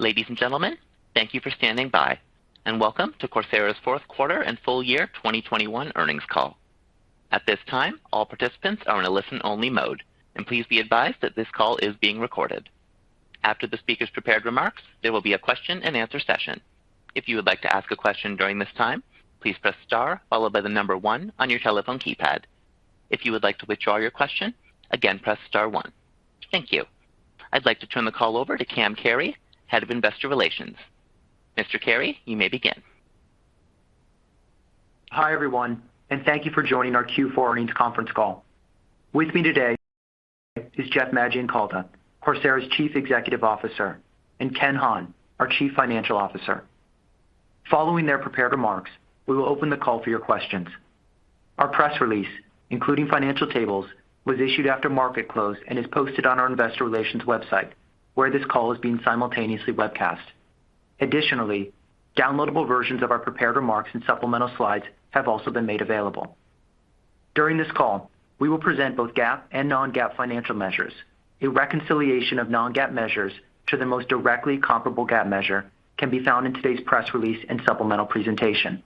Ladies and gentlemen, thank you for standing by, and welcome to Coursera's fourth quarter and full year 2021 earnings call. At this time, all participants are in a listen-only mode. Please be advised that this call is being recorded. After the speaker's prepared remarks, there will be a question-and-answer session. If you would like to ask a question during this time, please press star followed by the number one on your telephone keypad. If you would like to withdraw your question, again, press star one. Thank you. I'd like to turn the call over to Cam Carey, Head of Investor Relations. Mr. Carey, you may begin. Hi, everyone, and thank you for joining our Q4 earnings conference call. With me today is Jeff Maggioncalda, Coursera's Chief Executive Officer, and Ken Hahn, our Chief Financial Officer. Following their prepared remarks, we will open the call for your questions. Our press release, including financial tables, was issued after market close and is posted on our investor relations website, where this call is being simultaneously webcast. Additionally, downloadable versions of our prepared remarks and supplemental slides have also been made available. During this call, we will present both GAAP and non-GAAP financial measures. A reconciliation of non-GAAP measures to the most directly comparable GAAP measure can be found in today's press release and supplemental presentation,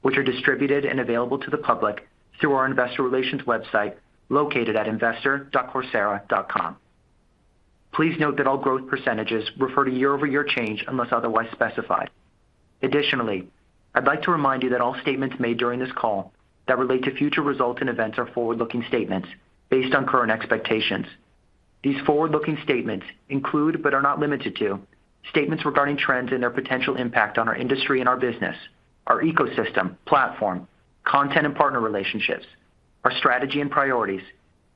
which are distributed and available to the public through our investor relations website located at investor.coursera.com. Please note that all growth percentages refer to year-over-year change unless otherwise specified. Additionally, I'd like to remind you that all statements made during this call that relate to future results and events are forward-looking statements based on current expectations. These forward-looking statements include, but are not limited to, statements regarding trends and their potential impact on our industry and our business, our ecosystem, platform, content and partner relationships, our strategy and priorities,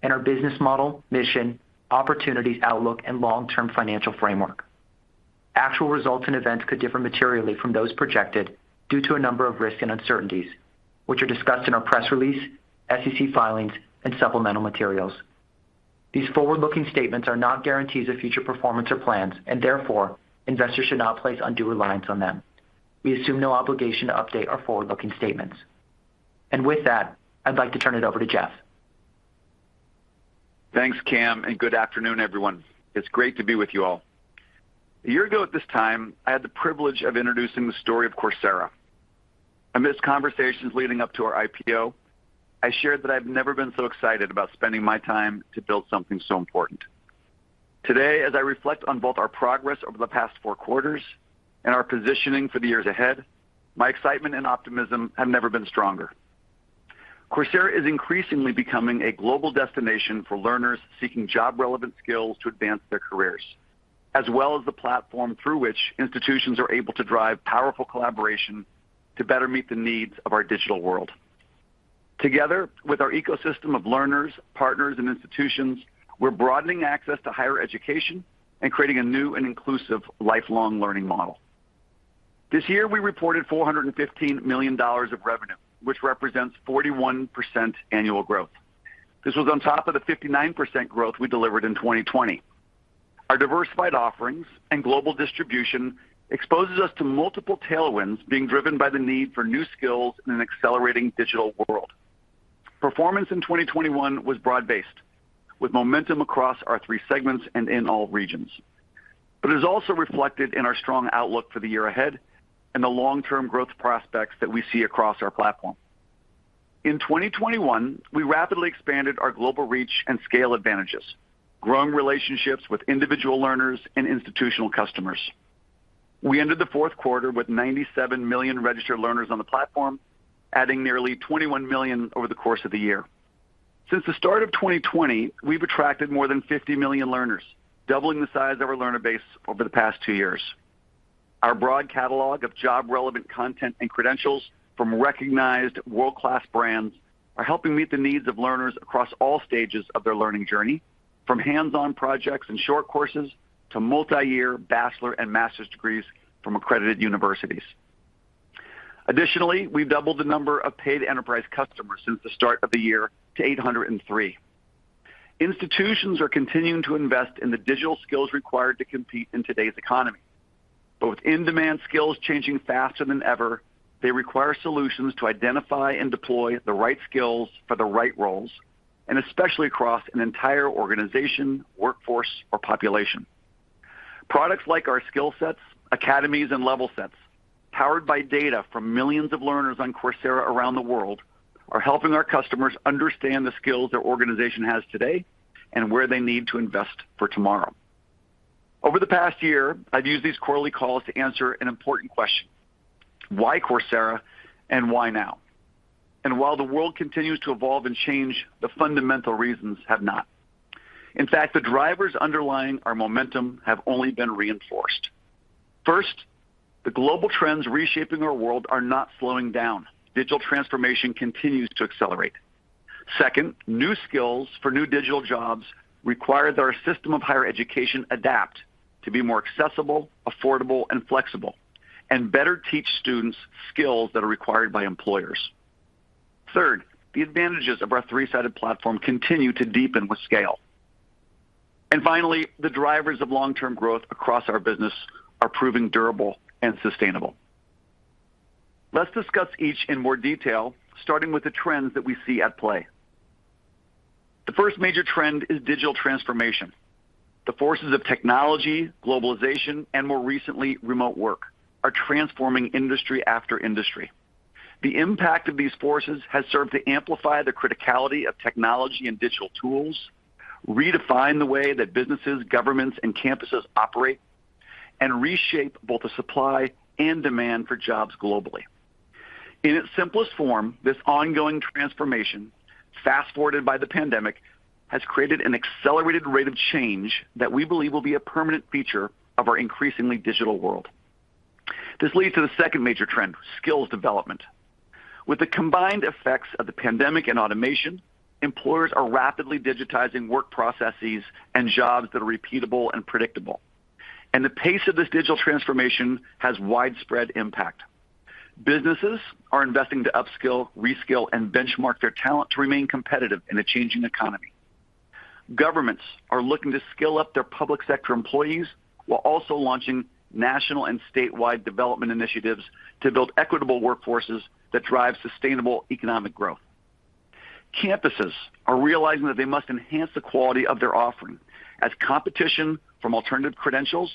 and our business model, mission, opportunities, outlook, and long-term financial framework. Actual results and events could differ materially from those projected due to a number of risks and uncertainties, which are discussed in our press release, SEC filings, and supplemental materials. These forward-looking statements are not guarantees of future performance or plans, and therefore investors should not place undue reliance on them. We assume no obligation to update our forward-looking statements. With that, I'd like to turn it over to Jeff. Thanks, Cam, and good afternoon, everyone. It's great to be with you all. A year ago at this time, I had the privilege of introducing the story of Coursera. Amidst conversations leading up to our IPO, I shared that I've never been so excited about spending my time to build something so important. Today, as I reflect on both our progress over the past four quarters and our positioning for the years ahead, my excitement and optimism have never been stronger. Coursera is increasingly becoming a global destination for learners seeking job-relevant skills to advance their careers, as well as the platform through which institutions are able to drive powerful collaboration to better meet the needs of our digital world. Together with our ecosystem of learners, partners, and institutions, we're broadening access to higher education and creating a new and inclusive lifelong learning model. This year we reported $415 million of revenue, which represents 41% annual growth. This was on top of the 59% growth we delivered in 2020. Our diversified offerings and global distribution exposes us to multiple tailwinds being driven by the need for new skills in an accelerating digital world. Performance in 2021 was broad-based, with momentum across our three segments and in all regions. It is also reflected in our strong outlook for the year ahead and the long-term growth prospects that we see across our platform. In 2021, we rapidly expanded our global reach and scale advantages, growing relationships with individual learners and institutional customers. We ended the fourth quarter with 97 million registered learners on the platform, adding nearly 21 million over the course of the year. Since the start of 2020, we've attracted more than 50 million learners, doubling the size of our learner base over the past two years. Our broad catalog of job-relevant content and credentials from recognized world-class brands are helping meet the needs of learners across all stages of their learning journey, from hands-on projects and short courses to multi-year bachelor and master's degrees from accredited universities. Additionally, we've doubled the number of paid enterprise customers since the start of the year to 803. Institutions are continuing to invest in the digital skills required to compete in today's economy. With in-demand skills changing faster than ever, they require solutions to identify and deploy the right skills for the right roles, and especially across an entire organization, workforce, or population. Products like our SkillSets, Academies, and LevelSets, powered by data from millions of learners on Coursera around the world, are helping our customers understand the skills their organization has today and where they need to invest for tomorrow. Over the past year, I've used these quarterly calls to answer an important question, "Why Coursera and why now?" While the world continues to evolve and change, the fundamental reasons have not. In fact, the drivers underlying our momentum have only been reinforced. First, the global trends reshaping our world are not slowing down. Digital transformation continues to accelerate. Second, new skills for new digital jobs require that our system of higher education adapt to be more accessible, affordable, and flexible, and better teach students skills that are required by employers. Third, the advantages of our three-sided platform continue to deepen with scale. Finally, the drivers of long-term growth across our business are proving durable and sustainable. Let's discuss each in more detail, starting with the trends that we see at play. The first major trend is digital transformation. The forces of technology, globalization, and more recently, remote work are transforming industry after industry. The impact of these forces has served to amplify the criticality of technology and digital tools, re-define the way that businesses, governments, and campuses operate, and reshape both the supply and demand for jobs globally. In its simplest form, this ongoing transformation, fast-forwarded by the pandemic, has created an accelerated rate of change that we believe will be a permanent feature of our increasingly digital world. This leads to the second major trend, skills development. With the combined effects of the pandemic and automation, employers are rapidly digitizing work processes and jobs that are repeatable and predictable. The pace of this digital transformation has widespread impact. Businesses are investing to upskill, reskill, and benchmark their talent to remain competitive in a changing economy. Governments are looking to skill up their public sector employees while also launching national and statewide development initiatives to build equitable workforces that drive sustainable economic growth. Campuses are realizing that they must enhance the quality of their offering as competition from alternative credentials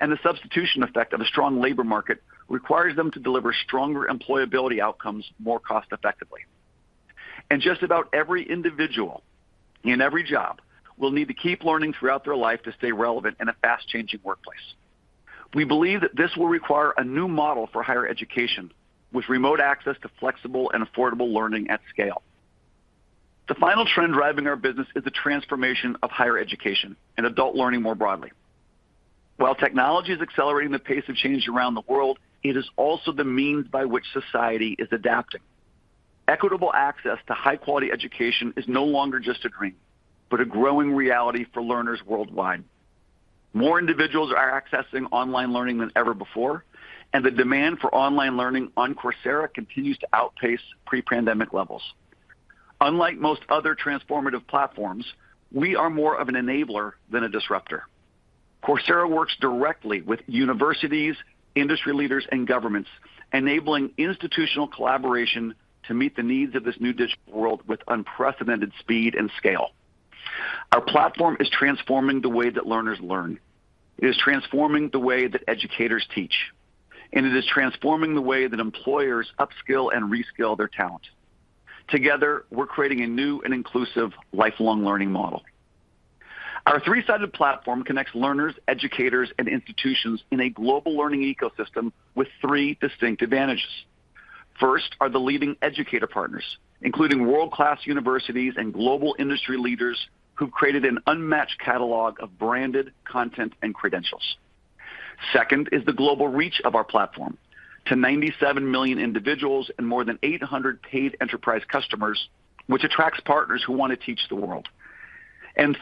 and the substitution effect of a strong labor market requires them to deliver stronger employability outcomes more cost effectively. Just about every individual in every job will need to keep learning throughout their life to stay relevant in a fast-changing workplace. We believe that this will require a new model for higher education with remote access to flexible and affordable learning at scale. The final trend driving our business is the transformation of higher education and adult learning more broadly. While technology is accelerating the pace of change around the world, it is also the means by which society is adapting. Equitable access to high-quality education is no longer just a dream, but a growing reality for learners worldwide. More individuals are accessing online learning than ever before, and the demand for online learning on Coursera continues to outpace pre-pandemic levels. Unlike most other transformative platforms, we are more of an enabler than a disruptor. Coursera works directly with universities, industry leaders, and governments, enabling institutional collaboration to meet the needs of this new digital world with unprecedented speed and scale. Our platform is transforming the way that learners learn. It is transforming the way that educators teach. It is transforming the way that employers upskill and reskill their talent. Together, we're creating a new and inclusive lifelong learning model. Our three-sided platform connects learners, educators, and institutions in a global learning ecosystem with three distinct advantages. First are the leading educator partners, including world-class universities and global industry leaders who've created an unmatched catalog of branded content and credentials. Second is the global reach of our platform to 97 million individuals and more than 800 paid enterprise customers, which attracts partners who wanna teach the world.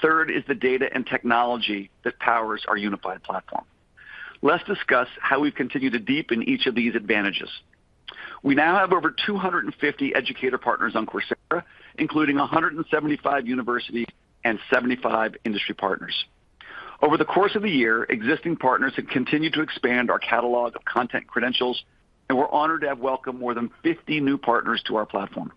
Third is the data and technology that powers our unified platform. Let's discuss how we've continued to deepen each of these advantages. We now have over 250 educator partners on Coursera, including 175 university and 75 industry partners. Over the course of the year, existing partners have continued to expand our catalog of content credentials, and we're honored to have welcomed more than 50 new partners to our platform.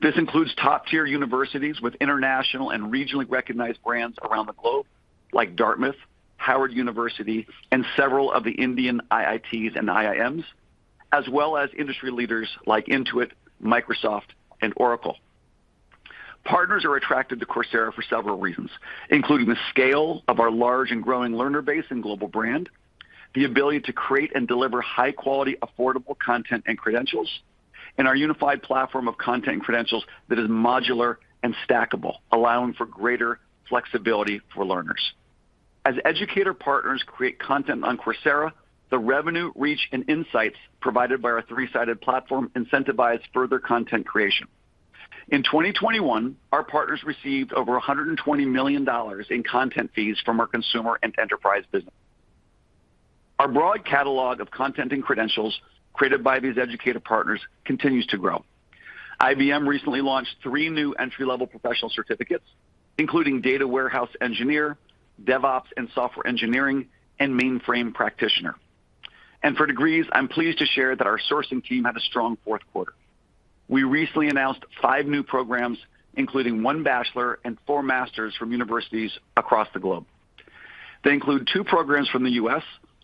This includes top-tier universities with international and regionally recognized brands around the globe, like Dartmouth, Howard University, and several of the Indian IITs and IIMs, as well as industry leaders like Intuit, Microsoft, and Oracle. Partners are attracted to Coursera for several reasons, including the scale of our large and growing learner base and global brand, the ability to create and deliver high-quality, affordable content and credentials, and our unified platform of content credentials that is modular and stackable, allowing for greater flexibility for learners. As educator partners create content on Coursera, the revenue, reach, and insights provided by our three-sided platform incentivize further content creation. In 2021, our partners received over $120 million in content fees from our consumer and enterprise business. Our broad catalog of content and credentials created by these educator partners continues to grow. IBM recently launched three new entry-level professional certificates, including data warehouse engineer, DevOps and software engineering, and mainframe practitioner. For degrees, I'm pleased to share that our sourcing team had a strong fourth quarter. We recently announced five new programs, including one bachelor and four masters from universities across the globe. They include two programs from the U.S.,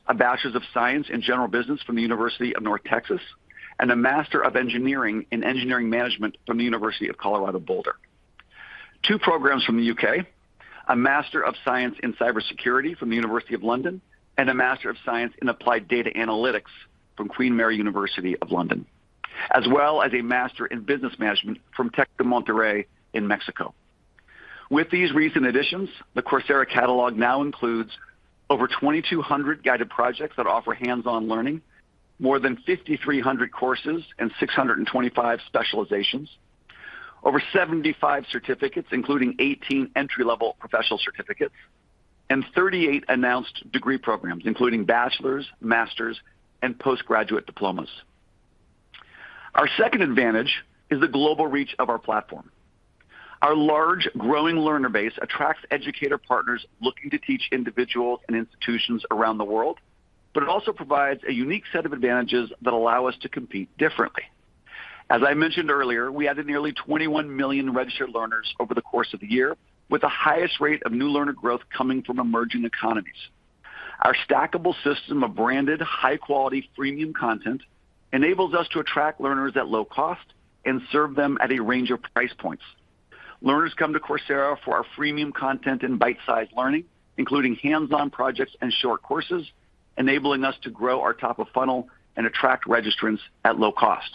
a Bachelor of Science in General Business from the University of North Texas, and a Master of Engineering in Engineering Management from the University of Colorado Boulder. Two programs from the UK, a Master of Science in Cybersecurity from the University of London, and a Master of Science in Applied Data Analytics from Queen Mary University of London. As well as a Master in Business Management from Tec de Monterrey in Mexico. With these recent additions, the Coursera catalog now includes over 2,200 guided projects that offer hands-on learning, more than 5,300 courses and 625 specializations, over 75 certificates, including 18 entry-level professional certificates, and 38 announced degree programs, including bachelor's, master's, and postgraduate diplomas. Our second advantage is the global reach of our platform. Our large, growing learner base attracts educator partners looking to teach individuals and institutions around the world. It also provides a unique set of advantages that allow us to compete differently. As I mentioned earlier, we added nearly 21 million registered learners over the course of the year, with the highest rate of new learner growth coming from emerging economies. Our stackable system of branded high-quality freemium content enables us to attract learners at low cost and serve them at a range of price points. Learners come to Coursera for our freemium content and bite-sized learning, including hands-on projects and short courses, enabling us to grow our top of funnel and attract registrants at low cost.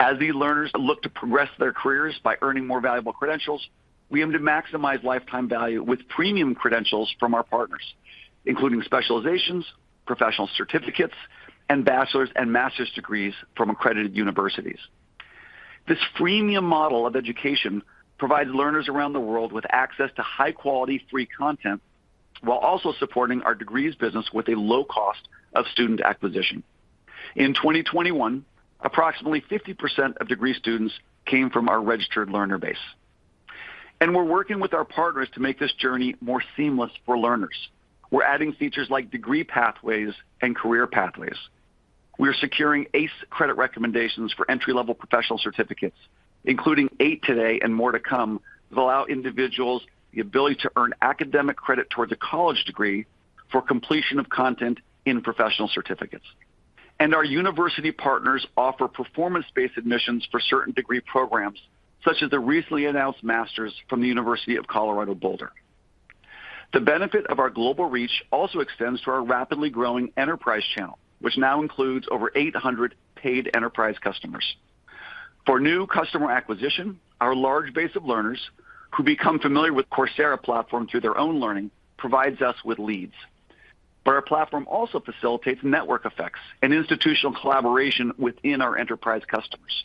As these learners look to progress their careers by earning more valuable credentials, we aim to maximize lifetime value with premium credentials from our partners, including specializations, professional certificates, and bachelor's and master's degrees from accredited universities. This freemium model of education provides learners around the world with access to high-quality free content while also supporting our degrees business with a low cost of student acquisition. In 2021, approximately 50% of degree students came from our registered learner base. We're working with our partners to make this journey more seamless for learners. We're adding features like degree pathways and career pathways. We're securing ACE credit recommendations for entry-level professional certificates, including eight today and more to come, that allow individuals the ability to earn academic credit towards a college degree for completion of content in professional certificates. Our university partners offer performance-based admissions for certain degree programs, such as the recently announced master's from the University of Colorado Boulder. The benefit of our global reach also extends to our rapidly growing enterprise channel, which now includes over 800 paid enterprise customers. For new customer acquisition, our large base of learners who become familiar with Coursera platform through their own learning provides us with leads. Our platform also facilitates network effects and institutional collaboration within our enterprise customers.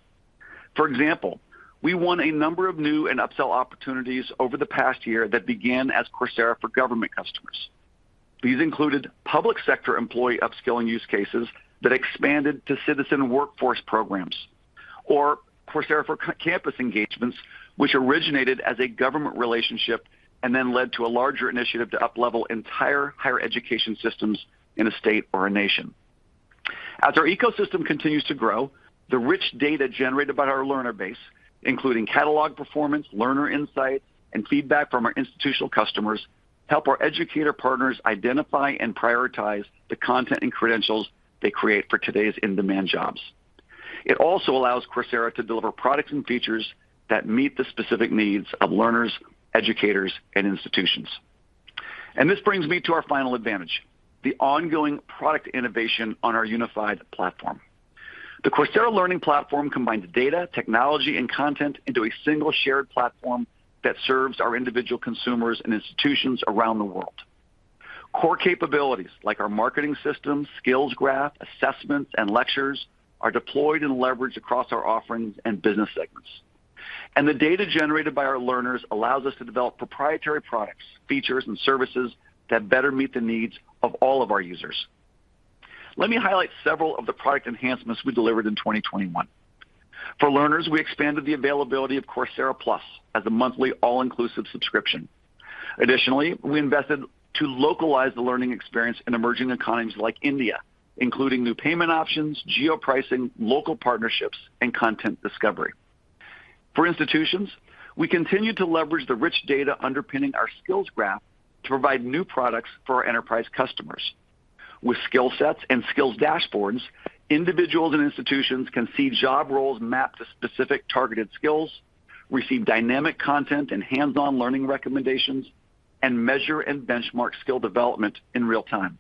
For example, we won a number of new and upsell opportunities over the past year that began as Coursera for Government customers. These included public sector employee upskilling use cases that expanded to citizen workforce programs, or Coursera for Campus Engagements, which originated as a government relationship and then led to a larger initiative to uplevel entire higher education systems in a state or a nation. As our ecosystem continues to grow, the rich data generated by our learner base, including catalog performance, learner insights, and feedback from our institutional customers, help our educator partners identify and prioritize the content and credentials they create for today's in-demand jobs. It also allows Coursera to deliver products and features that meet the specific needs of learners, educators, and institutions. This brings me to our final advantage, the ongoing product innovation on our unified platform. The Coursera Learning Platform combines data, technology, and content into a single shared platform that serves our individual consumers and institutions around the world. Core capabilities like our marketing systems, Skills Graph, assessments, and lectures are deployed and leveraged across our offerings and business segments. The data generated by our learners allows us to develop proprietary products, features, and services that better meet the needs of all of our users. Let me highlight several of the product enhancements we delivered in 2021. For learners, we expanded the availability of Coursera Plus as a monthly all-inclusive subscription. Additionally, we invested to localize the learning experience in emerging economies like India, including new payment options, geo-pricing, local partnerships, and content discovery. For institutions, we continue to leverage the rich data underpinning our Skills Graph to provide new products for our enterprise customers. With SkillSets and skills dashboards, individuals and institutions can see job roles mapped to specific targeted skills, receive dynamic content and hands-on learning recommendations, and measure and benchmark skill development in real time.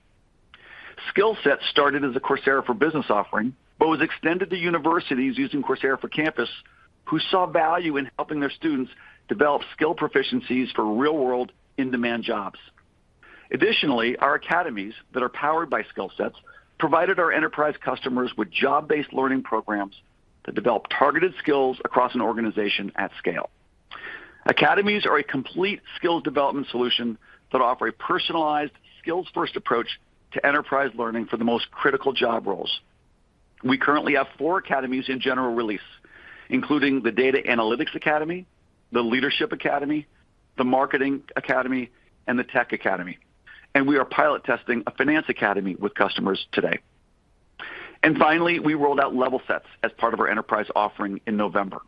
SkillSets started as a Coursera for Business offering, but was extended to universities using Coursera for Campus who saw value in helping their students develop skill proficiencies for real-world, in-demand jobs. Additionally, our academies that are powered by SkillSets provided our enterprise customers with job-based learning programs to develop targeted skills across an organization at scale. Academies are a complete skills development solution that offer a personalized skills-first approach to enterprise learning for the most critical job roles. We currently have four academies in general release, including the Data Analytics Academy, the Leadership Academy, the Marketing Academy, and the Tech Academy. We are pilot testing a Finance Academy with customers today. Finally, we rolled out LevelSets as part of our enterprise offering in November.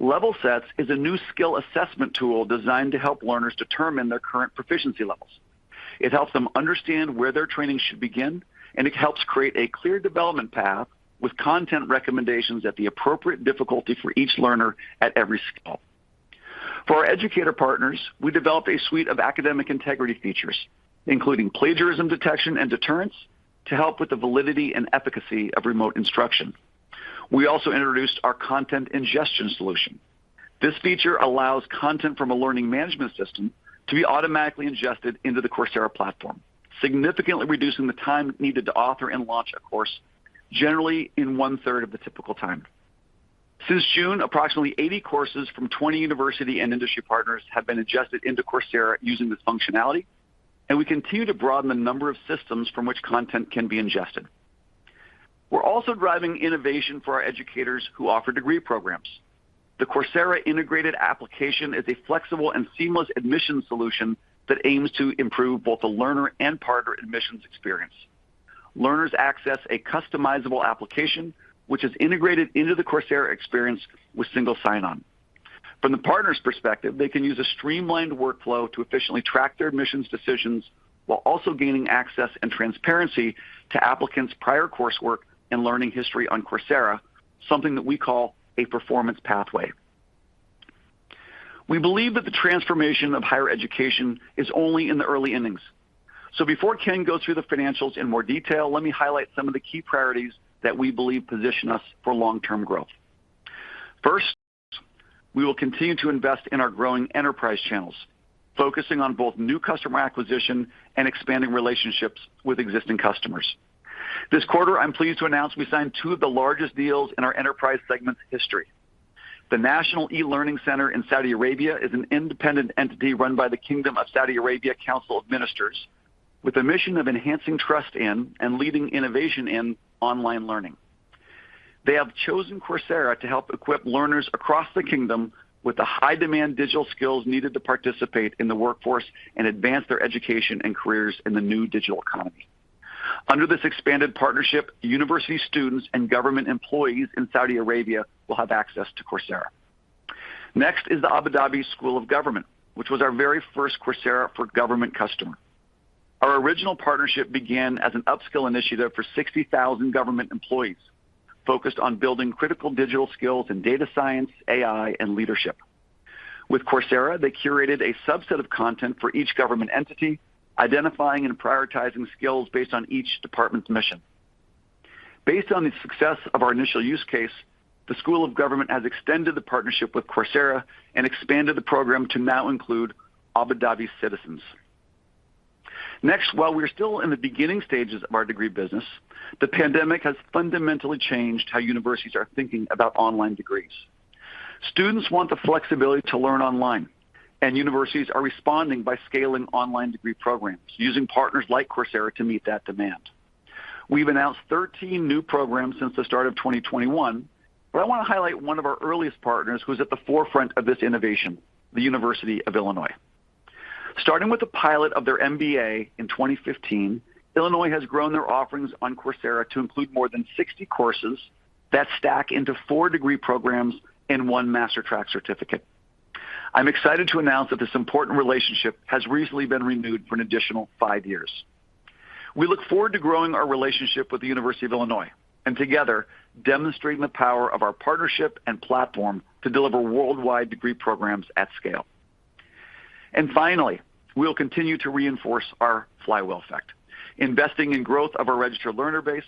LevelSets is a new skill assessment tool designed to help learners determine their current proficiency levels. It helps them understand where their training should begin, and it helps create a clear development path with content recommendations at the appropriate difficulty for each learner at every skill. For our educator partners, we developed a suite of academic integrity features, including plagiarism detection and deterrence, to help with the validity and efficacy of remote instruction. We also introduced our content ingestion solution. This feature allows content from a learning management system to be automatically ingested into the Coursera platform, significantly reducing the time needed to author and launch a course, generally in one-third of the typical time. Since June, approximately 80 courses from 20 university and industry partners have been ingested into Coursera using this functionality, and we continue to broaden the number of systems from which content can be ingested. Driving innovation for our educators who offer degree programs. The Coursera integrated application is a flexible and seamless admission solution that aims to improve both the learner and partner admissions experience. Learners access a customizable application, which is integrated into the Coursera experience with single sign-on. From the partner's perspective, they can use a streamlined workflow to efficiently track their admissions decisions while also gaining access and transparency to applicants' prior coursework and learning history on Coursera, something that we call a Performance Pathway. We believe that the transformation of higher education is only in the early innings. Before Ken goes through the financials in more detail, let me highlight some of the key priorities that we believe position us for long-term growth. First, we will continue to invest in our growing enterprise channels, focusing on both new customer acquisition and expanding relationships with existing customers. This quarter, I'm pleased to announce we signed two of the largest deals in our enterprise segment history. The National eLearning Center in Saudi Arabia is an independent entity run by the Kingdom of Saudi Arabia Council of Ministers with a mission of enhancing trust in and leading innovation in online learning. They have chosen Coursera to help equip learners across the kingdom with the high-demand digital skills needed to participate in the workforce and advance their education and careers in the new digital economy. Under this expanded partnership, university students and government employees in Saudi Arabia will have access to Coursera. Next is the Abu Dhabi School of Government, which was our very first Coursera for Government customer. Our original partnership began as an upskill initiative for 60,000 government employees focused on building critical digital skills in data science, AI, and leadership. With Coursera, they curated a subset of content for each government entity, identifying and prioritizing skills based on each department's mission. Based on the success of our initial use case, the Abu Dhabi School of Government has extended the partnership with Coursera and expanded the program to now include Abu Dhabi citizens. Next, while we're still in the beginning stages of our degree business, the pandemic has fundamentally changed how universities are thinking about online degrees. Students want the flexibility to learn online, and universities are responding by scaling online degree programs using partners like Coursera to meet that demand. We've announced 13 new programs since the start of 2021, but I wanna highlight one of our earliest partners who's at the forefront of this innovation, the University of Illinois. Starting with the pilot of their MBA in 2015, Illinois has grown their offerings on Coursera to include more than 60 courses that stack into four degree programs and one MasterTrack certificate. I'm excited to announce that this important relationship has recently been renewed for an additional five years. We look forward to growing our relationship with the University of Illinois, and together demonstrating the power of our partnership and platform to deliver worldwide degree programs at scale. Finally, we'll continue to reinforce our flywheel effect, investing in growth of our registered learner base,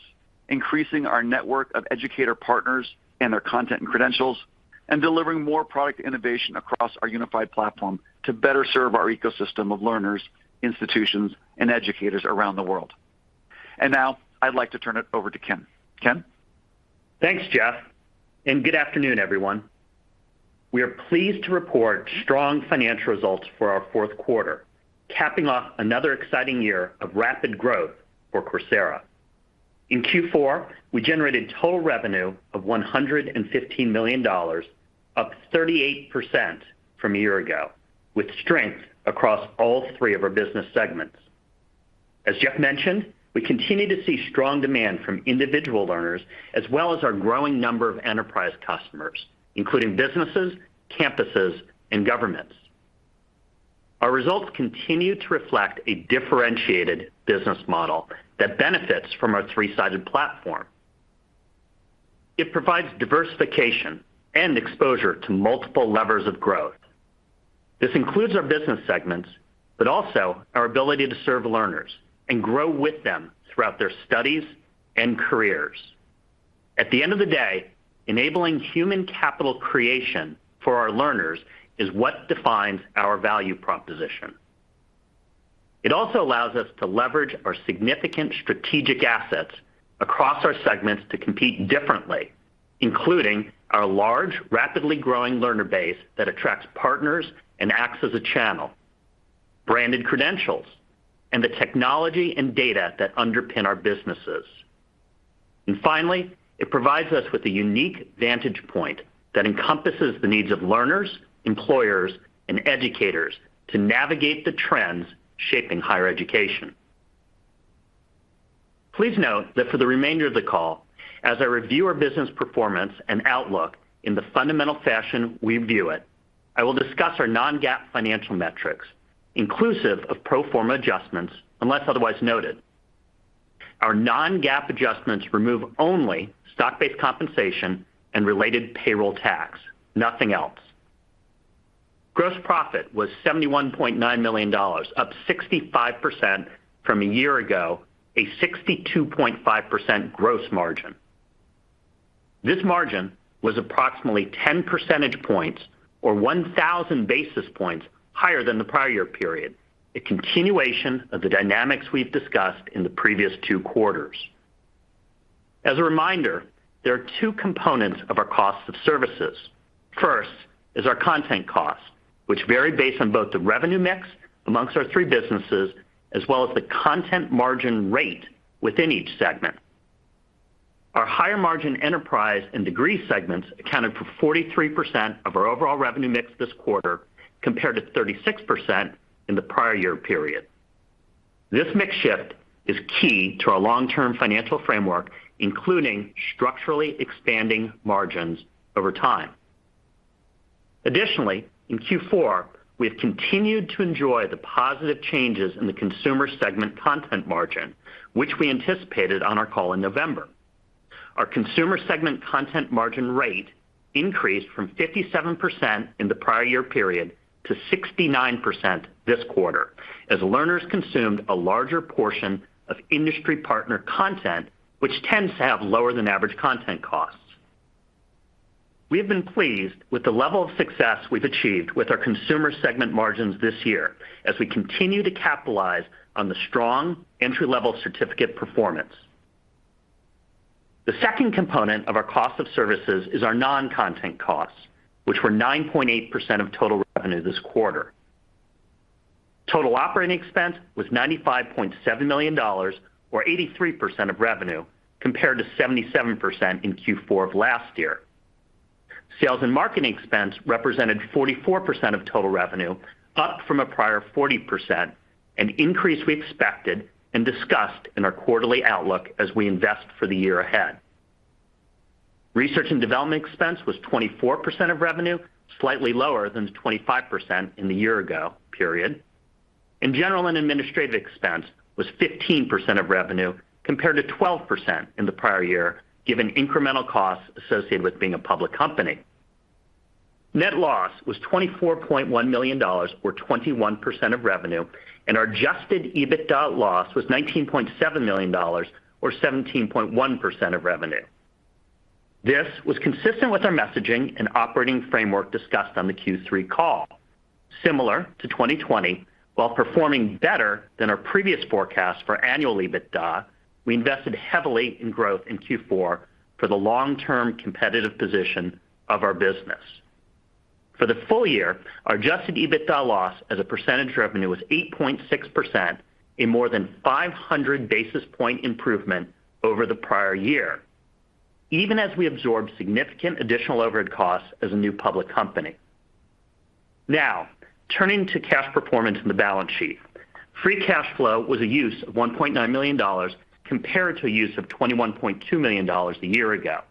increasing our network of educator partners and their content and credentials, and delivering more product innovation across our unified platform to better serve our ecosystem of learners, institutions, and educators around the world. Now I'd like to turn it over to Ken Hahn. Ken? Thanks, Jeff, and good afternoon, everyone. We are pleased to report strong financial results for our fourth quarter, capping off another exciting year of rapid growth for Coursera. In Q4, we generated total revenue of $115 million, up 38% from a year ago, with strength across all three of our business segments. As Jeff mentioned, we continue to see strong demand from individual learners as well as our growing number of enterprise customers, including businesses, campuses, and governments. Our results continue to reflect a differentiated business model that benefits from our three-sided platform. It provides diversification and exposure to multiple levers of growth. This includes our business segments, but also our ability to serve learners and grow with them throughout their studies and careers. At the end of the day, enabling human capital creation for our learners is what defines our value proposition. It also allows us to leverage our significant strategic assets across our segments to compete differently, including our large, rapidly growing learner base that attracts partners and acts as a channel, branded credentials, and the technology and data that underpin our businesses. Finally, it provides us with a unique vantage point that encompasses the needs of learners, employers, and educators to navigate the trends shaping higher education. Please note that for the remainder of the call, as I review our business performance and outlook in the fundamental fashion we view it, I will discuss our non-GAAP financial metrics inclusive of pro forma adjustments, unless otherwise noted. Our non-GAAP adjustments remove only stock-based compensation and related payroll tax, nothing else. Gross profit was $71.9 million, up 65% from a year ago, a 62.5% gross margin. This margin was approximately 10 percentage points or 1,000 basis points higher than the prior year period, a continuation of the dynamics we've discussed in the previous two quarters. As a reminder, there are two components of our cost of services. First is our content costs, which vary based on both the revenue mix amongst our three businesses as well as the content margin rate within each segment. Our higher margin enterprise and degree segments accounted for 43% of our overall revenue mix this quarter compared to 36% in the prior year period. This mix shift is key to our long-term financial framework, including structurally expanding margins over time. Additionally, in Q4, we have continued to enjoy the positive changes in the consumer segment content margin, which we anticipated on our call in November. Our consumer segment content margin rate increased from 57% in the prior year period to 69% this quarter as learners consumed a larger portion of industry partner content, which tends to have lower than average content costs. We have been pleased with the level of success we've achieved with our consumer segment margins this year as we continue to capitalize on the strong entry-level certificate performance. The second component of our cost of services is our non-content costs, which were 9.8% of total revenue this quarter. Total operating expense was $95.7 million or 83% of revenue compared to 77% in Q4 of last year. Sales and marketing expense represented 44% of total revenue, up from a prior 40%, an increase we expected and discussed in our quarterly outlook as we invest for the year ahead. Research and development expense was 24% of revenue, slightly lower than the 25% in the year ago period. General and administrative expense was 15% of revenue compared to 12% in the prior year, given incremental costs associated with being a public company. Net loss was $24.1 million or 21% of revenue, and our adjusted EBITDA loss was $19.7 million or 17.1% of revenue. This was consistent with our messaging and operating framework discussed on the Q3 call. Similar to 2020, while performing better than our previous forecast for annual EBITDA, we invested heavily in growth in Q4 for the long-term competitive position of our business. For the full year, our adjusted EBITDA loss as a percentage of revenue was 8.6%, a more than 500 basis point improvement over the prior year, even as we absorbed significant additional overhead costs as a new public company. Now, turning to cash performance in the balance sheet. Free cash flow was a use of $1.9 million compared to a use of $21.2 million a year ago.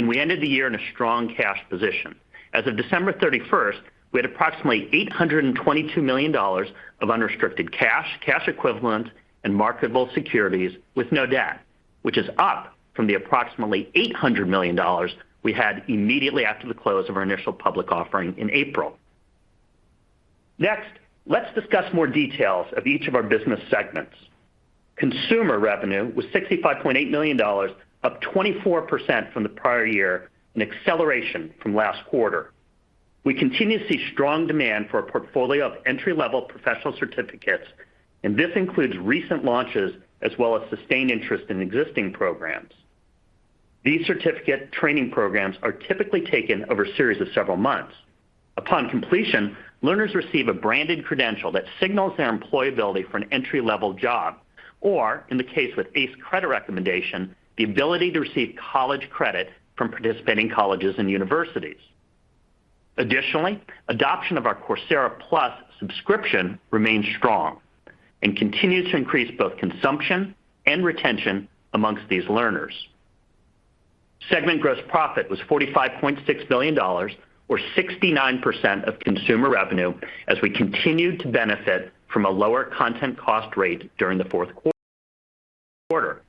We ended the year in a strong cash position. As of December 31, we had approximately $822 million of unrestricted cash equivalent, and marketable securities with no debt, which is up from the approximately $800 million we had immediately after the close of our initial public offering in April. Next, let's discuss more details of each of our business segments. Consumer revenue was $65.8 million, up 24% from the prior year, an acceleration from last quarter. We continue to see strong demand for our portfolio of entry-level professional certificates, and this includes recent launches as well as sustained interest in existing programs. These certificate training programs are typically taken over a series of several months. Upon completion, learners receive a branded credential that signals their employability for an entry-level job, or in the case with ACE credit recommendation, the ability to receive college credit from participating colleges and universities. Additionally, adoption of our Coursera Plus subscription remains strong and continues to increase both consumption and retention amongst these learners. Segment gross profit was $45.6 million or 69% of consumer revenue as we continued to benefit from a lower content cost rate during the fourth quarter.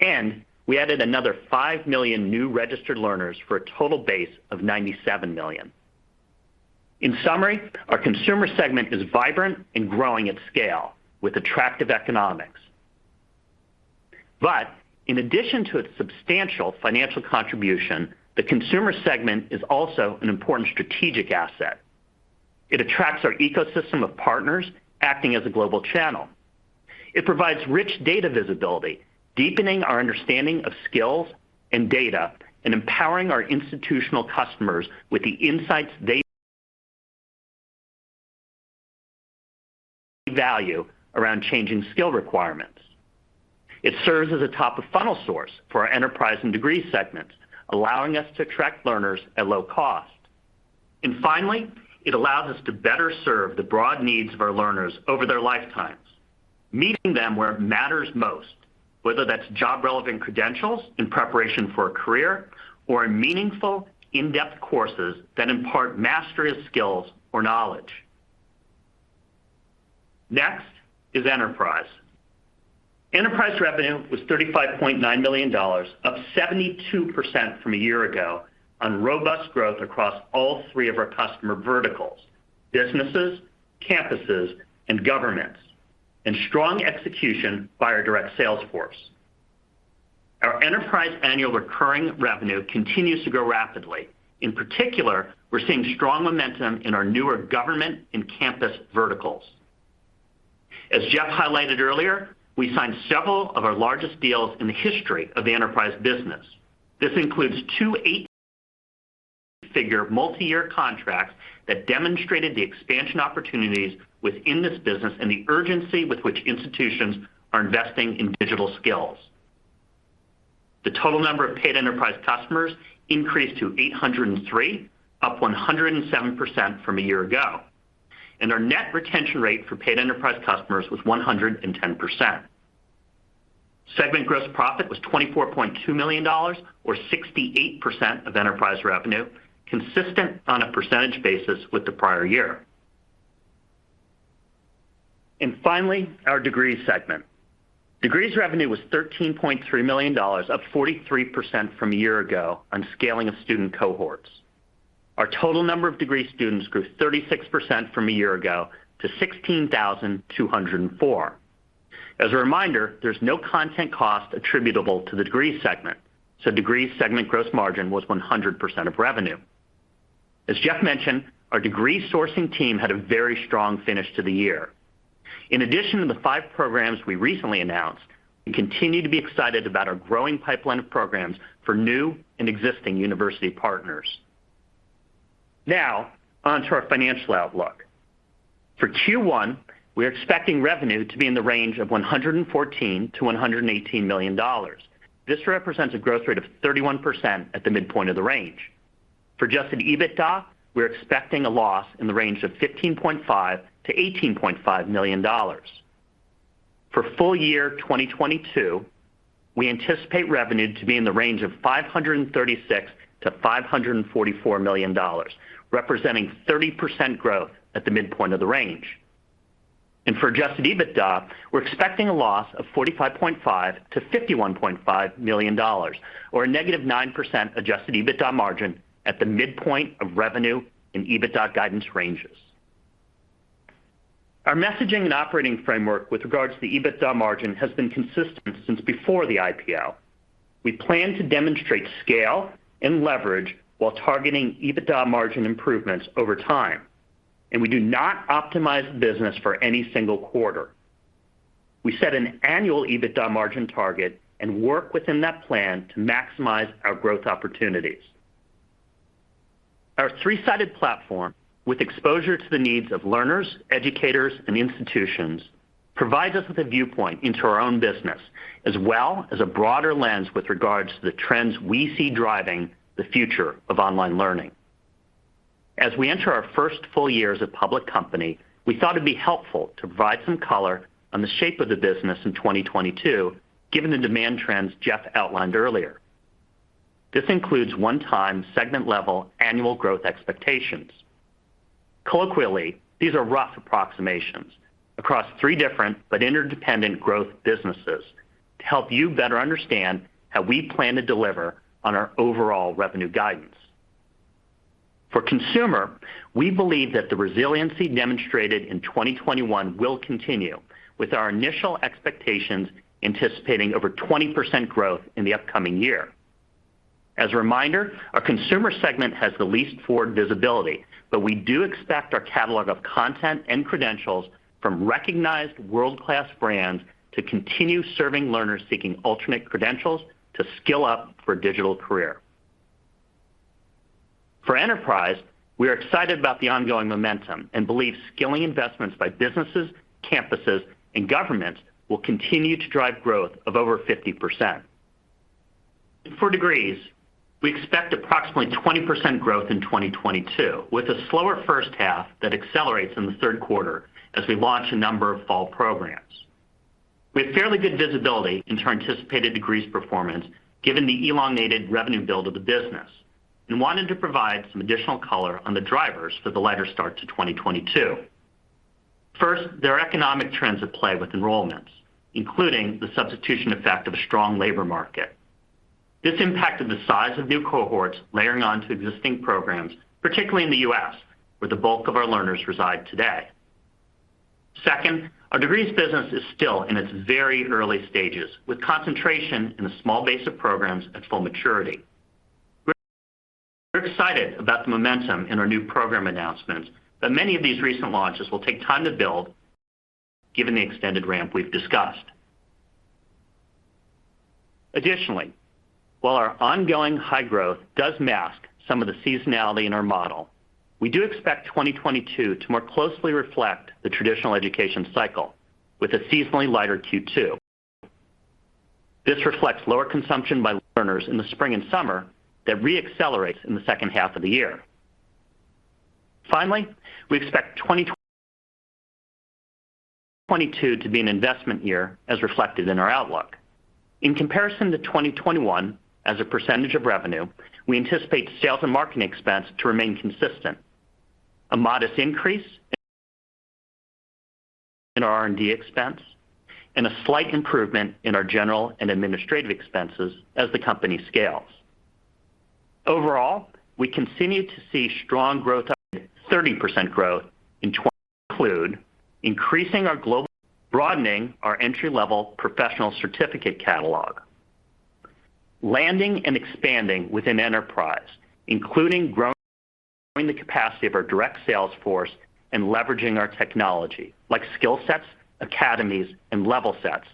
We added another five million new registered learners for a total base of 97 million. In summary, our Consumer segment is vibrant and growing at scale with attractive economics. In addition to its substantial financial contribution, the Consumer segment is also an important strategic asset. It attracts our ecosystem of partners acting as a global channel. It provides rich data visibility, deepening our understanding of skills and data and empowering our institutional customers with the insights they value around changing skill requirements. It serves as a top-of-funnel source for our Enterprise and Degree segments, allowing us to attract learners at low cost. Finally, it allows us to better serve the broad needs of our learners over their lifetimes, meeting them where it matters most, whether that's job-relevant credentials in preparation for a career or meaningful in-depth courses that impart mastery of skills or knowledge. Next is Enterprise. Enterprise revenue was $35.9 million, up 72% from a year ago on robust growth across all three of our customer verticals, businesses, campuses, and governments, and strong execution by our direct sales force. Our enterprise annual recurring revenue continues to grow rapidly. In particular, we're seeing strong momentum in our newer government and campus verticals. As Jeff highlighted earlier, we signed several of our largest deals in the history of the enterprise business. This includes two eight-figure multi-year contracts that demonstrated the expansion opportunities within this business and the urgency with which institutions are investing in digital skills. The total number of paid enterprise customers increased to 803, up 107% from a year ago, and our net retention rate for paid enterprise customers was 110%. Segment gross profit was $24.2 million or 68% of Enterprise revenue, consistent on a percentage basis with the prior year. Finally, our Degree segment. Degree revenue was $13.3 million, up 43% from a year ago on scaling of student cohorts. Our total number of Degree students grew 36% from a year ago to 16,204. As a reminder, there's no content cost attributable to the Degree segment, so Degree segment gross margin was 100% of revenue. As Jeff mentioned, our Degree sourcing team had a very strong finish to the year. In addition to the five programs we recently announced, we continue to be excited about our growing pipeline of programs for new and existing university partners. Now on to our financial outlook. For Q1, we're expecting revenue to be in the range of $114 million-$118 million. This represents a growth rate of 31% at the midpoint of the range. For adjusted EBITDA, we're expecting a loss in the range of $15.5 million-$18.5 million. For full year 2022, we anticipate revenue to be in the range of $536 million-$544 million, representing 30% growth at the midpoint of the range. For adjusted EBITDA, we're expecting a loss of $45.5 million-$51.5 million or a negative 9% adjusted EBITDA margin at the midpoint of revenue and EBITDA guidance ranges. Our messaging and operating framework with regards to the EBITDA margin has been consistent since before the IPO. We plan to demonstrate scale and leverage while targeting EBITDA margin improvements over time, and we do not optimize the business for any single quarter. We set an annual EBITDA margin target and work within that plan to maximize our growth opportunities. Our three-sided platform, with exposure to the needs of learners, educators, and institutions, provides us with a viewpoint into our own business, as well as a broader lens with regards to the trends we see driving the future of online learning. As we enter our first full year as a public company, we thought it'd be helpful to provide some color on the shape of the business in 2022, given the demand trends Jeff outlined earlier. This includes one-time segment-level annual growth expectations. Colloquially, these are rough approximations across three different but interdependent growth businesses to help you better understand how we plan to deliver on our overall revenue guidance. For Consumer, we believe that the resiliency demonstrated in 2021 will continue, with our initial expectations anticipating over 20% growth in the upcoming year. As a reminder, our Consumer segment has the least forward visibility, but we do expect our catalog of content and credentials from recognized world-class brands to continue serving learners seeking alternate credentials to skill up for a digital career. For Enterprise, we are excited about the ongoing momentum and believe skilling investments by businesses, campuses, and governments will continue to drive growth of over 50%. For Degrees, we expect approximately 20% growth in 2022, with a slower first half that accelerates in the third quarter as we launch a number of fall programs. We have fairly good visibility into anticipated degrees performance given the elongated revenue build of the business and wanted to provide some additional color on the drivers for the lighter start to 2022. First, there are economic trends at play with enrollments, including the substitution effect of a strong labor market. This impacted the size of new cohorts layering onto existing programs, particularly in the U.S., where the bulk of our learners reside today. Second, our degrees business is still in its very early stages, with concentration in a small base of programs at full maturity. We're excited about the momentum in our new program announcements, but many of these recent launches will take time to build given the extended ramp we've discussed. Additionally, while our ongoing high growth does mask some of the seasonality in our model, we do expect 2022 to more closely reflect the traditional education cycle with a seasonally lighter Q2. This reflects lower consumption by learners in the spring and summer that re-accelerates in the second half of the year. Finally, we expect 2022 to be an investment year as reflected in our outlook. In comparison to 2021 as a percentage of revenue, we anticipate sales and marketing expense to remain consistent, a modest increase in our R&D expense, and a slight improvement in our general and administrative expenses as the company scales. Overall, we continue to see strong growth, 30% growth including increasing our global, broadening our entry-level professional certificate catalog, landing and expanding within enterprise, including growing the capacity of our direct sales force and leveraging our technology like SkillSets, Academies, and LevelSets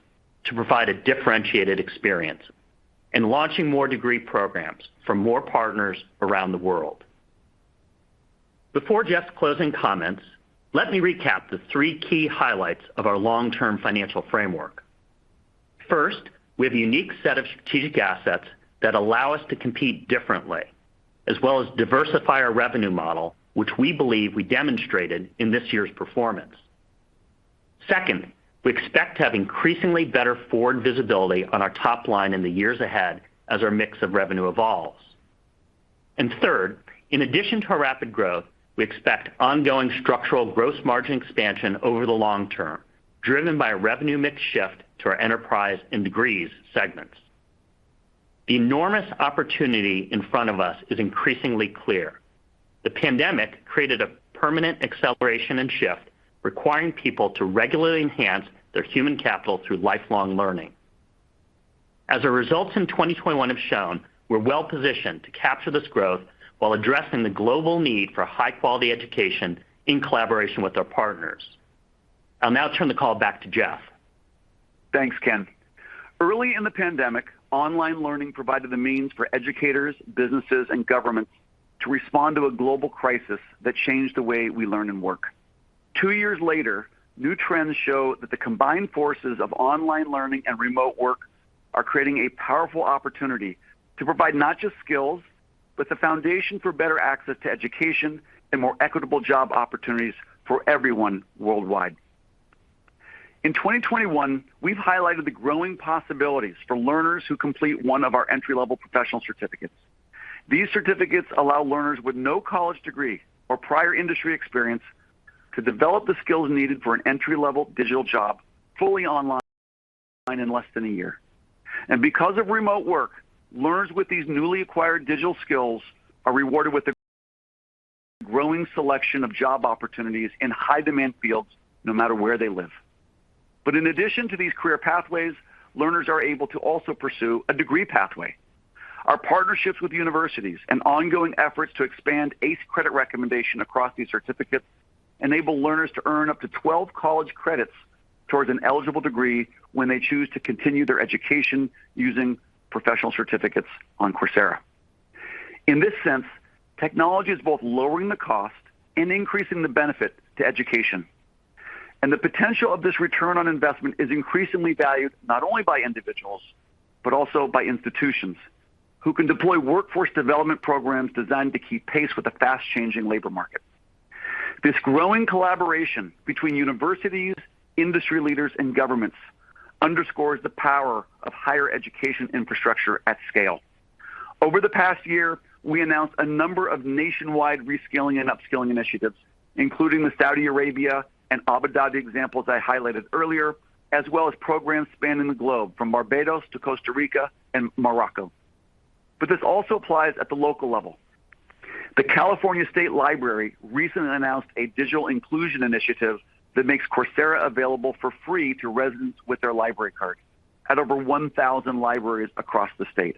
to provide a differentiated experience and launching more degree programs for more partners around the world. Before Jeff's closing comments, let me recap the three key highlights of our long-term financial framework. First, we have a unique set of strategic assets that allow us to compete differently, as well as diversify our revenue model, which we believe we demonstrated in this year's performance. Second, we expect to have increasingly better forward visibility on our top line in the years ahead as our mix of revenue evolves. Third, in addition to our rapid growth, we expect ongoing structural gross margin expansion over the long term, driven by a revenue mix shift to our enterprise and degrees segments. The enormous opportunity in front of us is increasingly clear. The pandemic created a permanent acceleration and shift, requiring people to regularly enhance their human capital through lifelong learning. As our results in 2021 have shown, we're well-positioned to capture this growth while addressing the global need for high-quality education in collaboration with our partners. I'll now turn the call back to Jeff. Thanks, Ken. Early in the pandemic, online learning provided the means for educators, businesses, and governments to respond to a global crisis that changed the way we learn and work. Two years later, new trends show that the combined forces of online learning and remote work are creating a powerful opportunity to provide not just skills, but the foundation for better access to education and more equitable job opportunities for everyone worldwide. In 2021, we've highlighted the growing possibilities for learners who complete one of our entry-level Professional Certificates. These certificates allow learners with no college degree or prior industry experience to develop the skills needed for an entry-level digital job fully online in less than a year. Because of remote work, learners with these newly acquired digital skills are rewarded with a growing selection of job opportunities in high-demand fields, no matter where they live. In addition to these career pathways, learners are able to also pursue a degree pathway. Our partnerships with universities and ongoing efforts to expand ACE credit recommendation across these certificates enable learners to earn up to 12 college credits towards an eligible degree when they choose to continue their education using professional certificates on Coursera. In this sense, technology is both lowering the cost and increasing the benefit to education. The potential of this return on investment is increasingly valued not only by individuals, but also by institutions who can deploy workforce development programs designed to keep pace with the fast-changing labor market. This growing collaboration between universities, industry leaders, and governments underscores the power of higher education infrastructure at scale. Over the past year, we announced a number of nationwide reskilling and upskilling initiatives, including the Saudi Arabia and Abu Dhabi examples I highlighted earlier, as well as programs spanning the globe from Barbados to Costa Rica and Morocco. This also applies at the local level. The California State Library recently announced a digital inclusion initiative that makes Coursera available for free to residents with their library card at over 1,000 libraries across the state.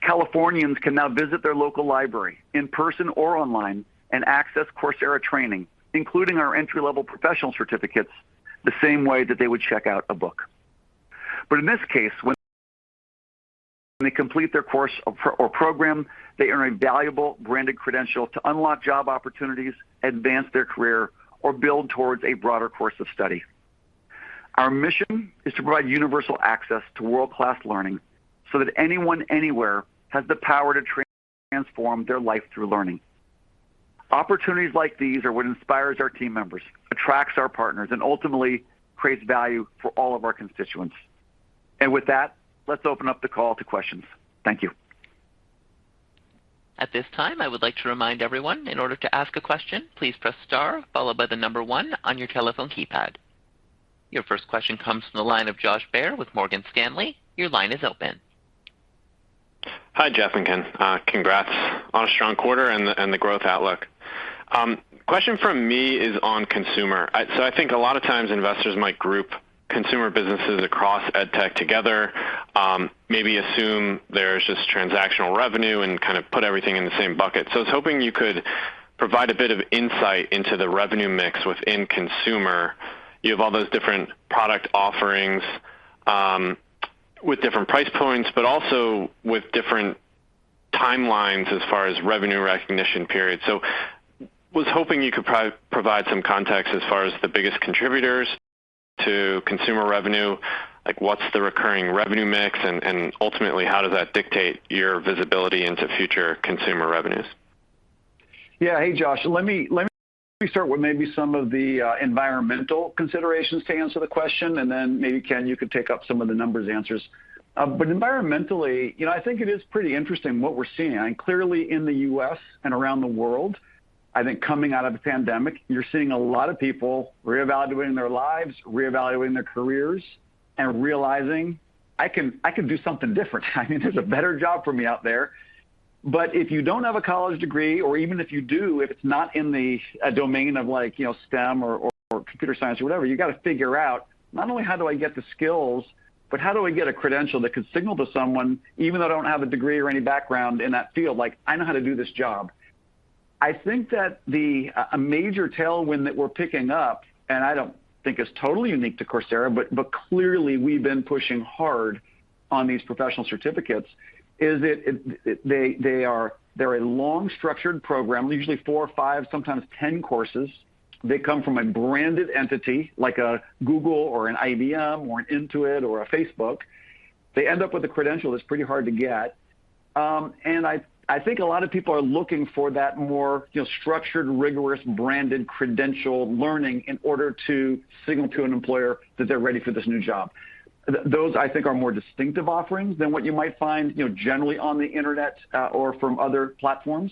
Californians can now visit their local library in person or online and access Coursera training, including our entry-level professional certificates, the same way that they would check out a book. In this case, when they complete their course or program, they earn a valuable branded credential to unlock job opportunities, advance their career, or build towards a broader course of study. Our mission is to provide universal access to world-class learning so that anyone, anywhere has the power to transform their life through learning. Opportunities like these are what inspires our team members, attracts our partners, and ultimately creates value for all of our constituents. With that, let's open up the call to questions. Thank you. At this time, I would like to remind everyone in order to ask a question, please press star followed by the number one on your telephone keypad. Your first question comes from the line of Josh Baer with Morgan Stanley. Your line is open. Hi, Jeff and Ken. Congrats on a strong quarter and the growth outlook. Question from me is on Consumer. I think a lot of times investors might group consumer businesses across ed tech together, maybe assume there's just transactional revenue and kind of put everything in the same bucket. I was hoping you could provide a bit of insight into the revenue mix within Consumer. You have all those different product offerings, with different price points, but also with different timelines as far as revenue recognition periods. I was hoping you could provide some context as far as the biggest contributors to consumer revenue, like what's the recurring revenue mix? And ultimately, how does that dictate your visibility into future consumer revenues? Yeah. Hey, Josh. Let me start with maybe some of the environmental considerations to answer the question, and then maybe, Ken, you could take up some of the numbers answers. Environmentally, you know, I think it is pretty interesting what we're seeing. I mean, clearly in the U.S. and around the world, I think coming out of the pandemic, you're seeing a lot of people reevaluating their lives, reevaluating their careers, and realizing, "I can do something different. I mean, there's a better job for me out there. If you don't have a college degree or even if you do, if it's not in the domain of like, you know, STEM or computer science or whatever, you gotta figure out not only how do I get the skills, but how do I get a credential that could signal to someone, even though I don't have a degree or any background in that field, like, I know how to do this job. I think that a major tailwind that we're picking up, and I don't think it's totally unique to Coursera, but clearly we've been pushing hard on these professional certificates, is that they're a long structured program, usually four, five, sometimes 10 courses. They come from a branded entity like a Google or an IBM or an Intuit or a Facebook. They end up with a credential that's pretty hard to get. I think a lot of people are looking for that more, you know, structured, rigorous, branded credentialed learning in order to signal to an employer that they're ready for this new job. Those, I think, are more distinctive offerings than what you might find, you know, generally on the internet, or from other platforms.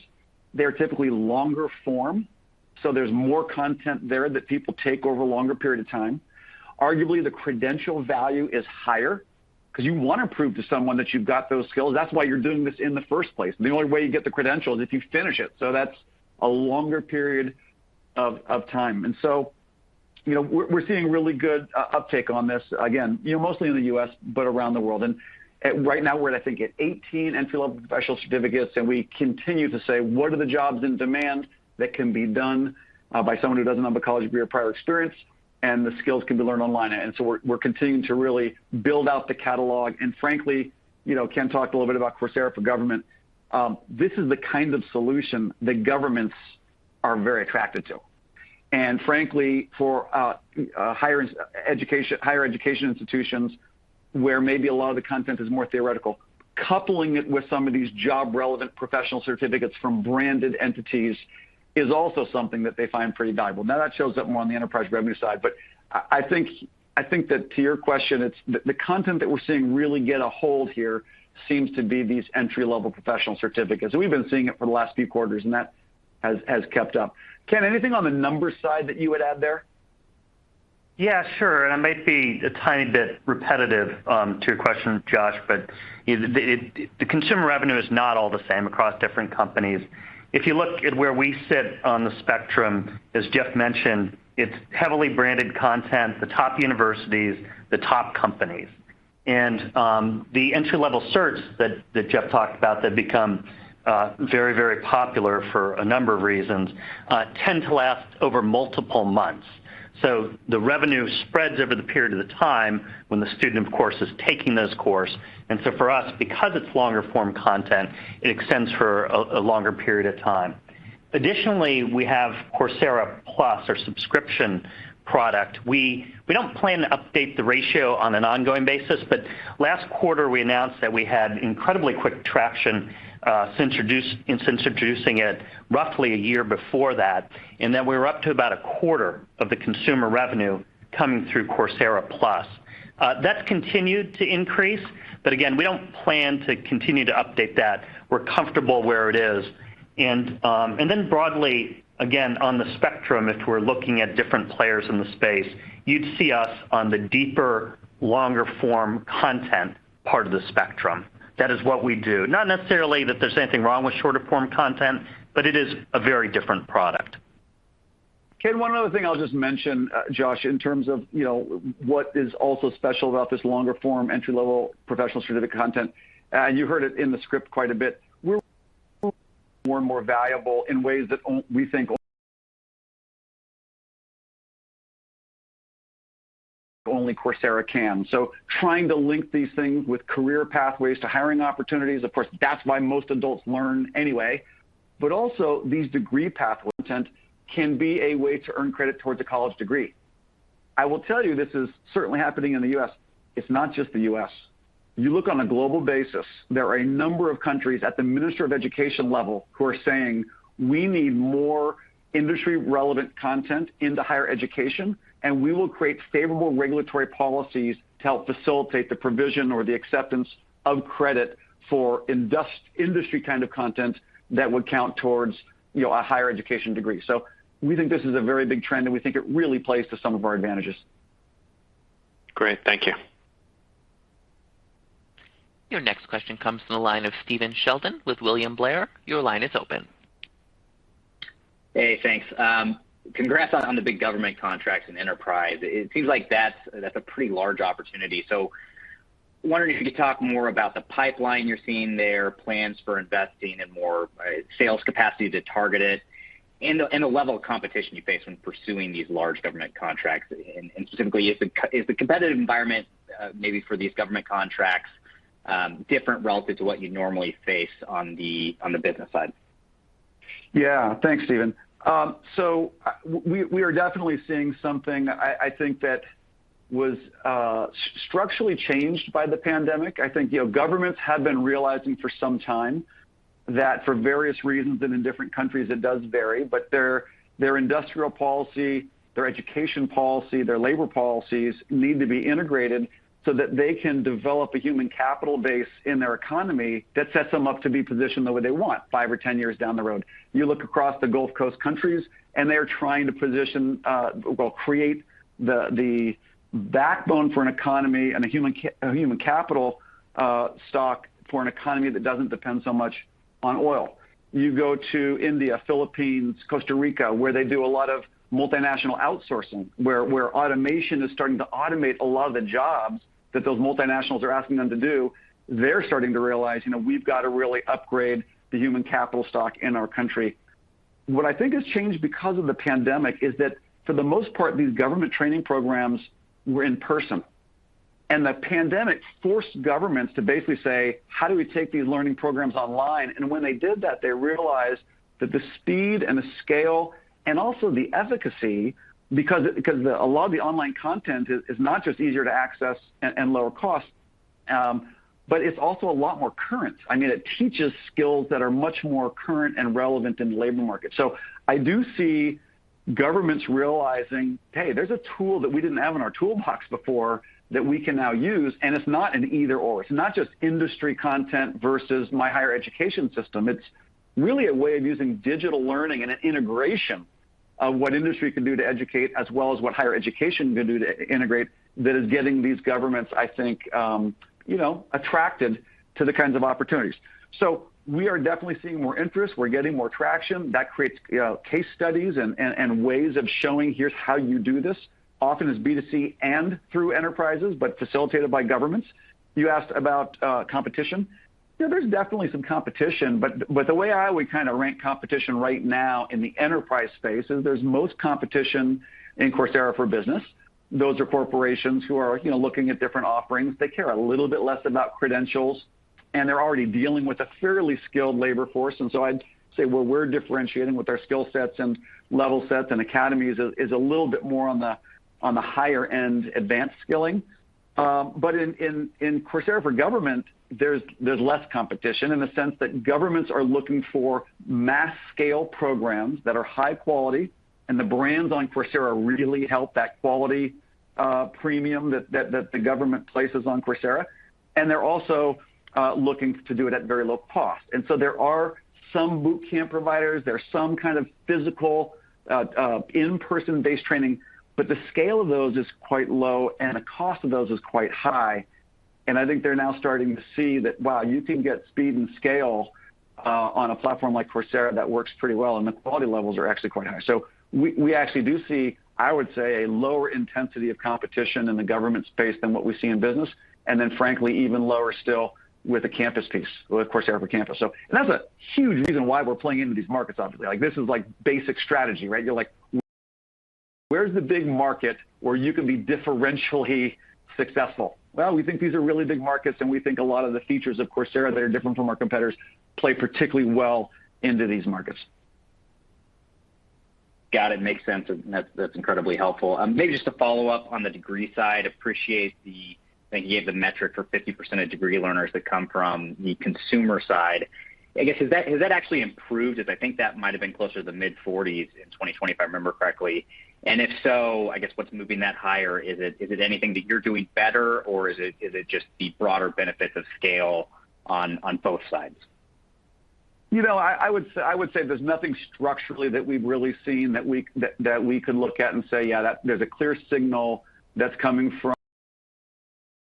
They're typically longer form, so there's more content there that people take over a longer period of time. Arguably, the credential value is higher because you wanna prove to someone that you've got those skills. That's why you're doing this in the first place. The only way you get the credential is if you finish it. That's a longer period of time. You know, we're seeing really good uptake on this. Again, you know, mostly in the U.S., but around the world. Right now we're at, I think, 18 entry-level professional certificates, and we continue to say, "What are the jobs in demand that can be done by someone who doesn't have a college degree or prior experience, and the skills can be learned online?" We're continuing to really build out the catalog. Frankly, you know, Ken talked a little bit about Coursera for Government. This is the kind of solution that governments are very attracted to. Frankly, for higher education institutions, where maybe a lot of the content is more theoretical, coupling it with some of these job-relevant professional certificates from branded entities is also something that they find pretty valuable. Now, that shows up more on the enterprise revenue side, but I think that to your question, it's the content that we're seeing really get a hold here seems to be these entry-level professional certificates. We've been seeing it for the last few quarters, and that has kept up. Ken, anything on the numbers side that you would add there? Yeah, sure, I might be a tiny bit repetitive to your question, Josh, but the consumer revenue is not all the same across different companies. If you look at where we sit on the spectrum, as Jeff mentioned, it's heavily branded content, the top universities, the top companies. The entry-level certs that Jeff talked about that become very popular for a number of reasons tend to last over multiple months. The revenue spreads over the period of the time when the student, of course, is taking this course. For us, because it's longer form content, it extends for a longer period of time. Additionally, we have Coursera Plus, our subscription product. We don't plan to update the ratio on an ongoing basis, but last quarter we announced that we had incredibly quick traction since introducing it roughly a year before that, and that we're up to about a quarter of the consumer revenue coming through Coursera Plus. That's continued to increase, but again, we don't plan to continue to update that. We're comfortable where it is. Then broadly, again, on the spectrum, if we're looking at different players in the space, you'd see us on the deeper, longer form content part of the spectrum. That is what we do. Not necessarily that there's anything wrong with shorter form content, but it is a very different product. Ken, one other thing I'll just mention, Josh, in terms of, you know, what is also special about this longer form entry-level professional certificate content, you heard it in the script quite a bit. We're more and more valuable in ways that we think only Coursera can. Trying to link these things with career pathways to hiring opportunities. Of course, that's why most adults learn anyway. Also these degree pathway content can be a way to earn credit towards a college degree. I will tell you this is certainly happening in the U.S. It's not just the U.S. You look on a global basis, there are a number of countries at the Minister of Education level who are saying, "We need more industry-relevant content in the higher education, and we will create favorable regulatory policies to help facilitate the provision or the acceptance of credit for industry kind of content that would count towards, you know, a higher education degree." We think this is a very big trend, and we think it really plays to some of our advantages. Great. Thank you. Your next question comes from the line of Stephen Sheldon with William Blair. Your line is open. Hey, thanks. Congrats on the big government contracts and enterprise. It seems like that's a pretty large opportunity. Wondering if you could talk more about the pipeline you're seeing there, plans for investing in more sales capacity to target it, and the level of competition you face when pursuing these large government contracts. Specifically, is the competitive environment maybe for these government contracts different relative to what you normally face on the business side? Yeah. Thanks, Stephen. We are definitely seeing something I think that was structurally changed by the pandemic. I think, you know, governments have been realizing for some time that for various reasons and in different countries it does vary, but their industrial policy, their education policy, their labor policies need to be integrated so that they can develop a human capital base in their economy that sets them up to be positioned the way they want five or ten years down the road. You look across the Gulf countries and they are trying to position, well, create the backbone for an economy and a human capital stock for an economy that doesn't depend so much on oil. You go to India, Philippines, Costa Rica, where they do a lot of multinational outsourcing, where automation is starting to automate a lot of the jobs that those multinationals are asking them to do. They're starting to realize, you know, we've got to really upgrade the human capital stock in our country. What I think has changed because of the pandemic is that for the most part, these government training programs were in person. The pandemic forced governments to basically say, "How do we take these learning programs online?" When they did that, they realized that the speed and the scale and also the efficacy, because a lot of the online content is not just easier to access and lower cost, but it's also a lot more current. I mean, it teaches skills that are much more current and relevant in the labor market. I do see governments realizing, "Hey, there's a tool that we didn't have in our toolbox before that we can now use," and it's not an either/or. It's not just industry content versus my higher education system. It's really a way of using digital learning and an integration of what industry can do to educate as well as what higher education can do to integrate that is getting these governments, I think, you know, attracted to the kinds of opportunities. We are definitely seeing more interest. We're getting more traction. That creates, you know, case studies and ways of showing here's how you do this. Often it's B2C and through enterprises, but facilitated by governments. You asked about competition. Yeah, there's definitely some competition, but the way I would kind of rank competition right now in the enterprise space is there's most competition in Coursera for Business. Those are corporations who are, you know, looking at different offerings. They care a little bit less about credentials, and they're already dealing with a fairly skilled labor force. I'd say where we're differentiating with our SkillSets and LevelSets and Academies is a little bit more on the higher-end advanced skilling. But in Coursera for Government, there's less competition in the sense that governments are looking for mass-scale programs that are high quality, and the brands on Coursera really help that quality premium that the government places on Coursera. They're also looking to do it at very low cost. There are some boot camp providers, there are some kind of physical, in-person based training, but the scale of those is quite low, and the cost of those is quite high. I think they're now starting to see that, wow, you can get speed and scale, on a platform like Coursera that works pretty well, and the quality levels are actually quite high. We actually do see, I would say, a lower intensity of competition in the government space than what we see in business, and then frankly, even lower still with the campus piece, with Coursera for Campus. That's a huge reason why we're playing into these markets, obviously. Like, this is like basic strategy, right? You're like, "Where's the big market where you can be differentially successful?" Well, we think these are really big markets, and we think a lot of the features of Coursera that are different from our competitors play particularly well into these markets. Got it. Makes sense. That's incredibly helpful. Maybe just to follow up on the degree side. I think you gave the metric for 50% of degree learners that come from the consumer side. I guess, has that actually improved, as I think that might've been closer to the mid-40s% in 2020, if I remember correctly. If so, I guess what's moving that higher? Is it anything that you're doing better, or is it just the broader benefits of scale on both sides? You know, I would say there's nothing structurally that we've really seen that we can look at and say, "Yeah, there's a clear signal that's coming from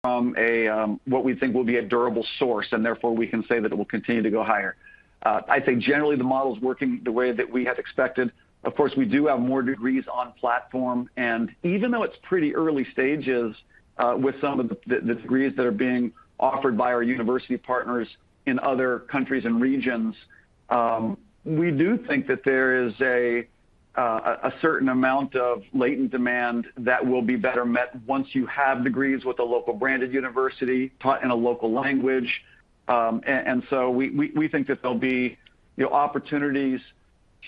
a what we think will be a durable source, and therefore we can say that it will continue to go higher." I think generally the model's working the way that we had expected. Of course, we do have more degrees on platform. Even though it's pretty early stages with some of the degrees that are being offered by our university partners in other countries and regions, we do think that there is a certain amount of latent demand that will be better met once you have degrees with a local branded university taught in a local language. We think that there'll be, you know, opportunities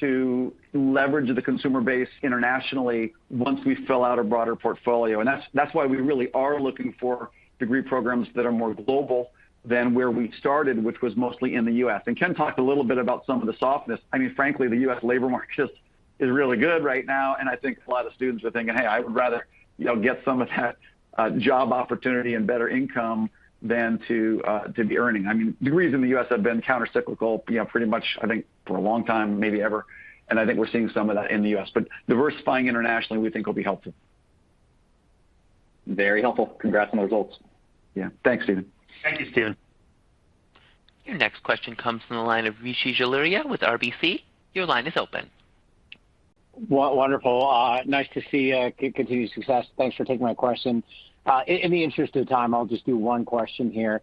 to leverage the consumer base internationally once we fill out a broader portfolio. That's why we really are looking for degree programs that are more global than where we started, which was mostly in the U.S. Ken talked a little bit about some of the softness. I mean, frankly, the U.S. labor market just is really good right now, and I think a lot of students are thinking, "Hey, I would rather, you know, get some of that job opportunity and better income than to be earning." I mean, degrees in the U.S. have been countercyclical, you know, pretty much, I think, for a long time, maybe ever. I think we're seeing some of that in the U.S. Diversifying internationally, we think, will be helpful. Very helpful. Congrats on the results. Yeah. Thanks, Stephen. Thank you, Stephen. Your next question comes from the line of Rishi Jaluria with RBC. Your line is open. Well, wonderful. Nice to see continued success. Thanks for taking my question. In the interest of time, I'll just do one question here.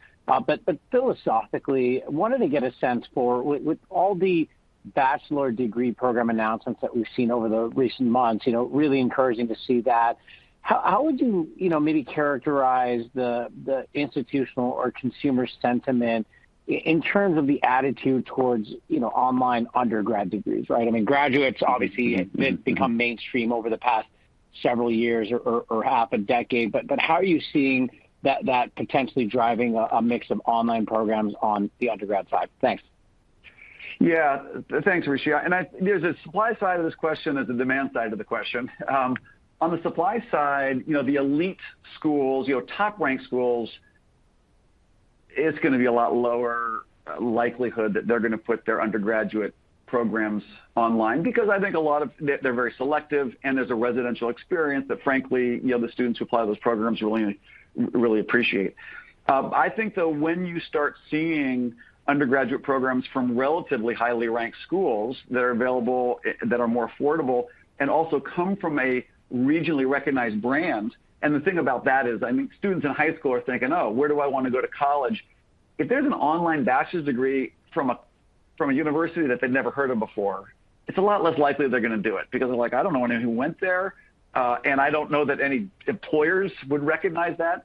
Philosophically, wanted to get a sense for with all the bachelor degree program announcements that we've seen over the recent months, you know, really encouraging to see that. How would you know, maybe characterize the institutional or consumer sentiment in terms of the attitude towards, you know, online undergrad degrees, right? I mean, graduate degrees, obviously, have become mainstream over the past several years or half a decade. How are you seeing that potentially driving a mix of online programs on the undergrad side? Thanks. Thanks, Rishi. There's a supply side of this question, there's a demand side of the question. On the supply side, you know, the elite schools, you know, top-ranked schools, it's gonna be a lot lower likelihood that they're gonna put their undergraduate programs online because I think they're very selective, and there's a residential experience that frankly, you know, the students who apply to those programs really, really appreciate. I think though when you start seeing undergraduate programs from relatively highly ranked schools that are available, that are more affordable and also come from a regionally recognized brand. The thing about that is, I think students in high school are thinking, "Oh, where do I wanna go to college?" If there's an online bachelor's degree from a university that they've never heard of before, it's a lot less likely they're gonna do it because they're like, "I don't know anyone who went there, and I don't know that any employers would recognize that."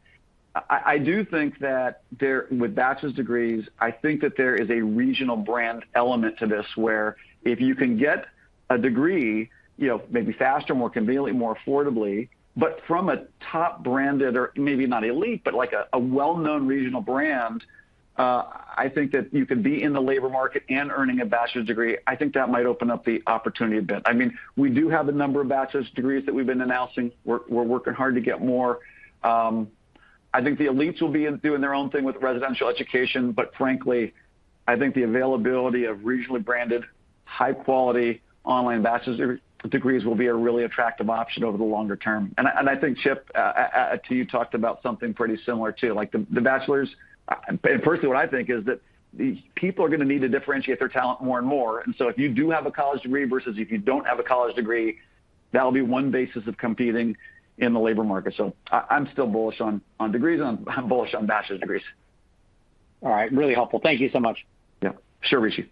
I do think that there with bachelor's degrees, I think that there is a regional brand element to this where if you can get a degree, you know, maybe faster, more conveniently, more affordably, but from a top branded or maybe not elite, but like a well-known regional brand, I think that you could be in the labor market and earning a bachelor's degree. I think that might open up the opportunity a bit. I mean, we do have a number of bachelor's degrees that we've been announcing. We're working hard to get more. I think the elites will be doing their own thing with residential education, but frankly, I think the availability of regionally branded, high-quality online bachelor's degrees will be a really attractive option over the longer term. I think, Chip, you talked about something pretty similar too, like the bachelor's. Personally, what I think is that the people are gonna need to differentiate their talent more and more. If you do have a college degree versus if you don't have a college degree, that'll be one basis of competing in the labor market. I'm still bullish on degrees, and I'm bullish on bachelor's degrees. All right. Really helpful. Thank you so much. Yeah. Sure, Rishi.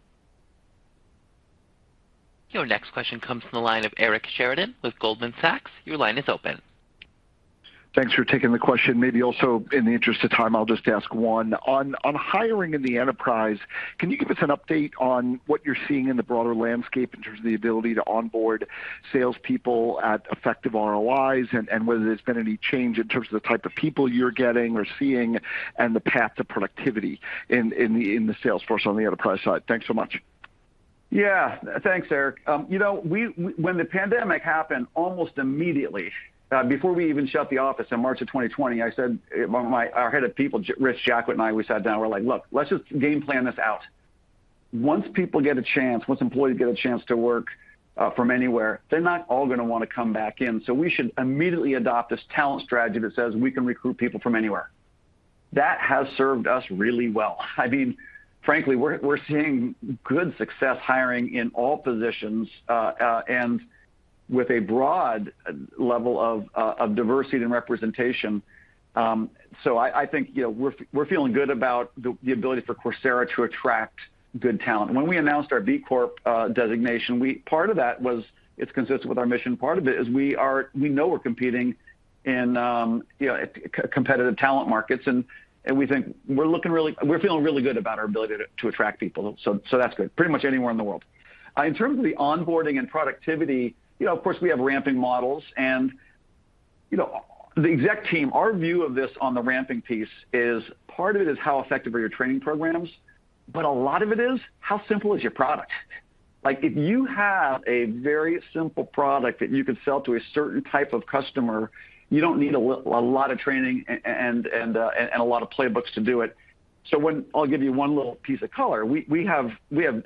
Your next question comes from the line of Eric Sheridan with Goldman Sachs. Your line is open. Thanks for taking the question. Maybe also in the interest of time, I'll just ask one. On hiring in the enterprise, can you give us an update on what you're seeing in the broader landscape in terms of the ability to onboard salespeople at effective ROIs and whether there's been any change in terms of the type of people you're getting or seeing and the path to productivity in the sales force on the enterprise side? Thanks so much. Yeah. Thanks, Eric. You know, when the pandemic happened almost immediately, before we even shut the office in March 2020, I said, our Head of People, Rich Jacquet and I, we sat down and we're like, "Look, let's just game plan this out. Once people get a chance, once employees get a chance to work from anywhere, they're not all gonna wanna come back in. So we should immediately adopt this talent strategy that says we can recruit people from anywhere." That has served us really well. I mean, frankly, we're seeing good success hiring in all positions and with a broad level of diversity and representation. So I think, you know, we're feeling good about the ability for Coursera to attract good talent. When we announced our B Corp designation, part of that was it's consistent with our mission. Part of it is we know we're competing in you know competitive talent markets and we think we're feeling really good about our ability to attract people. That's good. Pretty much anywhere in the world. In terms of the onboarding and productivity, you know, of course, we have ramping models and you know the exec team our view of this on the ramping piece is part of it is how effective are your training programs but a lot of it is how simple is your product. Like, if you have a very simple product that you can sell to a certain type of customer, you don't need a lot of training and a lot of playbooks to do it. I'll give you one little piece of color. We have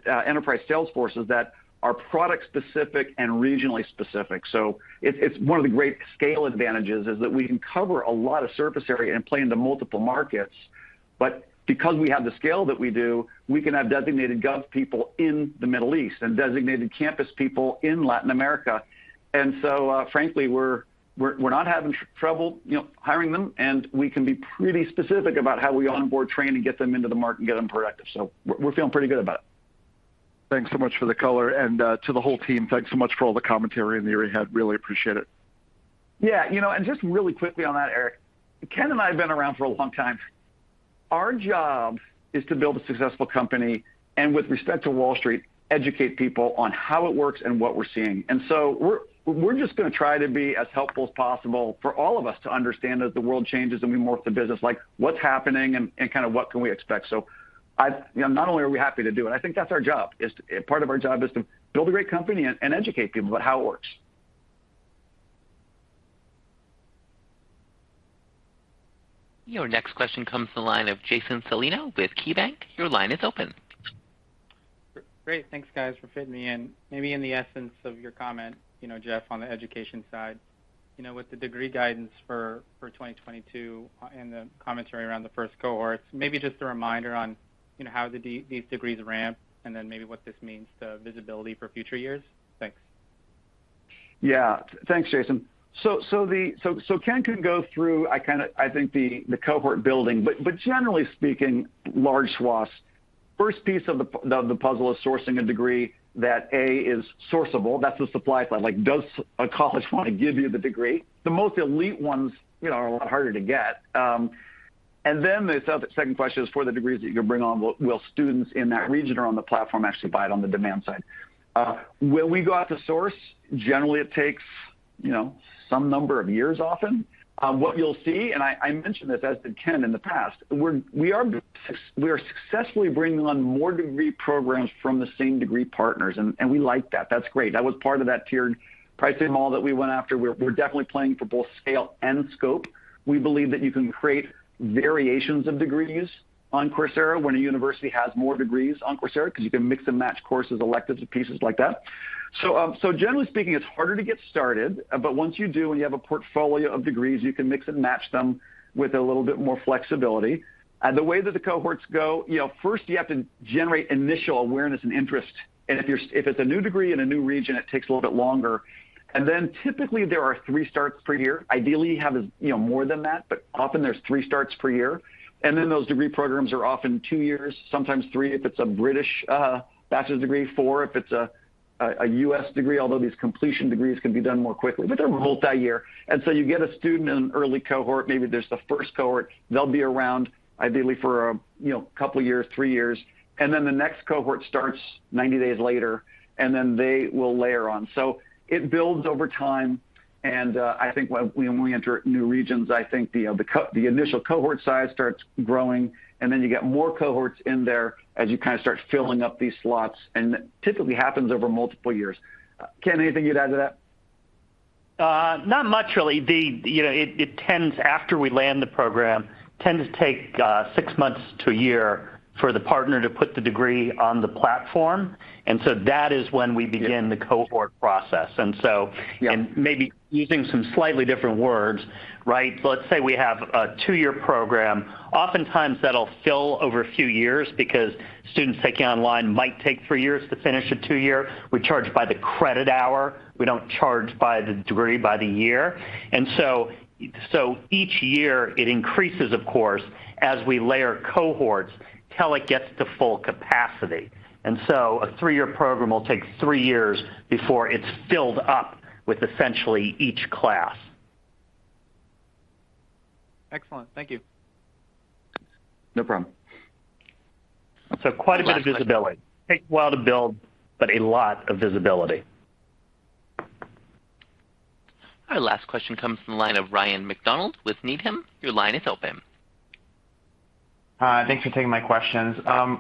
enterprise sales forces that are product specific and regionally specific. So it's one of the great scale advantages is that we can cover a lot of surface area and play into multiple markets. But because we have the scale that we do, we can have designated gov people in the Middle East and designated campus people in Latin America. Frankly, we're not having trouble, you know, hiring them, and we can be pretty specific about how we onboard, train, and get them into the market and get them productive. We're feeling pretty good about it. Thanks so much for the color and to the whole team. Thanks so much for all the commentary and the year you had. Really appreciate it. Yeah. You know, just really quickly on that, Eric, Ken and I have been around for a long time. Our job is to build a successful company and with respect to Wall Street, educate people on how it works and what we're seeing. We're just gonna try to be as helpful as possible for all of us to understand as the world changes and we morph the business, like what's happening and kinda what can we expect. You know, not only are we happy to do it. I think that's our job, part of our job is to build a great company and educate people about how it works. Your next question comes to the line of Jason Celino with KeyBanc Capital Markets. Your line is open. Great. Thanks, guys, for fitting me in. Maybe in the essence of your comment, you know, Jeff, on the education side, you know, with the degree guidance for 2022 and the commentary around the first cohorts, maybe just a reminder on, you know, how these degrees ramp and then maybe what this means to visibility for future years. Thanks. Thanks, Jason. Ken can go through. I think the cohort building, but generally speaking, large swaths. First piece of the puzzle is sourcing a degree that A is sourceable. That's the supply side. Like, does a college want to give you the degree? The most elite ones, you know, are a lot harder to get. The second question is for the degrees that you can bring on, will students in that region or on the platform actually buy it on the demand side? When we go out to source, generally it takes, you know, some number of years often. What you'll see, I mentioned this, as did Ken in the past, we are successfully bringing on more degree programs from the same degree partners, and we like that. That's great. That was part of that tiered pricing model that we went after. We're definitely playing for both scale and scope. We believe that you can create variations of degrees on Coursera when a university has more degrees on Coursera 'cause you can mix and match courses, electives, and pieces like that. Generally speaking, it's harder to get started, but once you do, and you have a portfolio of degrees, you can mix and match them with a little bit more flexibility. The way that the cohorts go, you know, first you have to generate initial awareness and interest. If it's a new degree in a new region, it takes a little bit longer. Typically there are three starts per year. Ideally, you have, you know, more than that, but often there's three starts per year. Those degree programs are often two years, sometimes three, if it's a British bachelor's degree, four if it's a U.S. degree, although these completion degrees can be done more quickly, but they're multi-year. You get a student in an early cohort, maybe there's the first cohort. They'll be around ideally for, you know, a couple of years, three years, and then the next cohort starts 90 days later, and then they will layer on. It builds over time, and I think when we enter new regions, I think the initial cohort size starts growing, and then you get more cohorts in there as you kinda start filling up these slots, and that typically happens over multiple years. Ken, anything you'd add to that? Not much really. You know, it tends, after we land the program, to take six months to a year for the partner to put the degree on the platform. That is when we begin, the cohort process. Maybe using some slightly different words, right? Let's say we have a two-year program. Oftentimes that'll fill over a few years because students taking online might take three years to finish a two year. We charge by the credit hour. We don't charge by the degree, by the year. Each year it increases, of course, as we layer cohorts till it gets to full capacity. A three-year program will take three years before it's filled up with essentially each class. Excellent. Thank you. No problem. Quite a bit of visibility. Takes a while to build, but a lot of visibility. Our last question comes from the line of Ryan MacDonald with Needham. Your line is open. Hi. Thanks for taking my questions.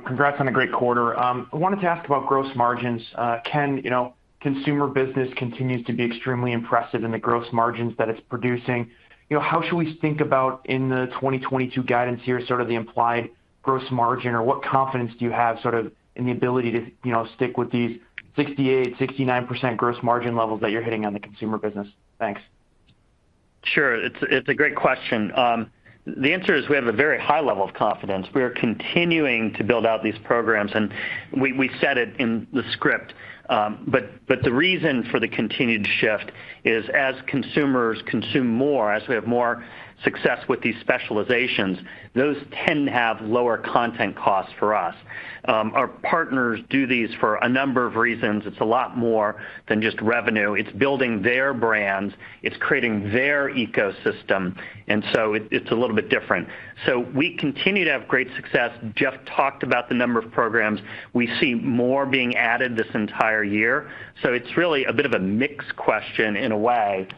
Congrats on a great quarter. I wanted to ask about gross margins. Ken, you know, consumer business continues to be extremely impressive in the gross margins that it's producing. You know, how should we think about in the 2022 guidance here, sort of the implied gross margin? Or what confidence do you have sort of in the ability to, you know, stick with these 68%-69% gross margin levels that you're hitting on the consumer business? Thanks. Sure. It's a great question. The answer is we have a very high level of confidence. We are continuing to build out these programs, and we said it in the script. The reason for the continued shift is as consumers consume more, as we have more success with these specializations, those tend to have lower content costs for us. Our partners do these for a number of reasons. It's a lot more than just revenue. It's building their brands, it's creating their ecosystem. It's a little bit different. We continue to have great success. Jeff talked about the number of programs. We see more being added this entire year. It's really a bit of a mix question in a way.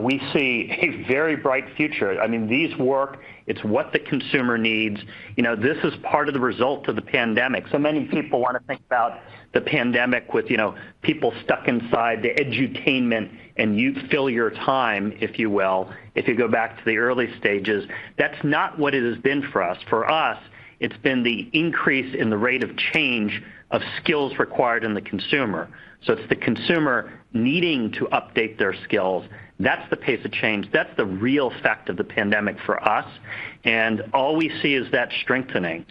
We see a very bright future. I mean, these work, it's what the consumer needs. You know, this is part of the result of the pandemic. Many people wanna think about the pandemic with, you know, people stuck inside, the edutainment, and you fill your time, if you will, if you go back to the early stages. That's not what it has been for us. For us, it's been the increase in the rate of change of skills required in the consumer. It's the consumer needing to update their skills. That's the pace of change. That's the real effect of the pandemic for us. All we see is that strengthening.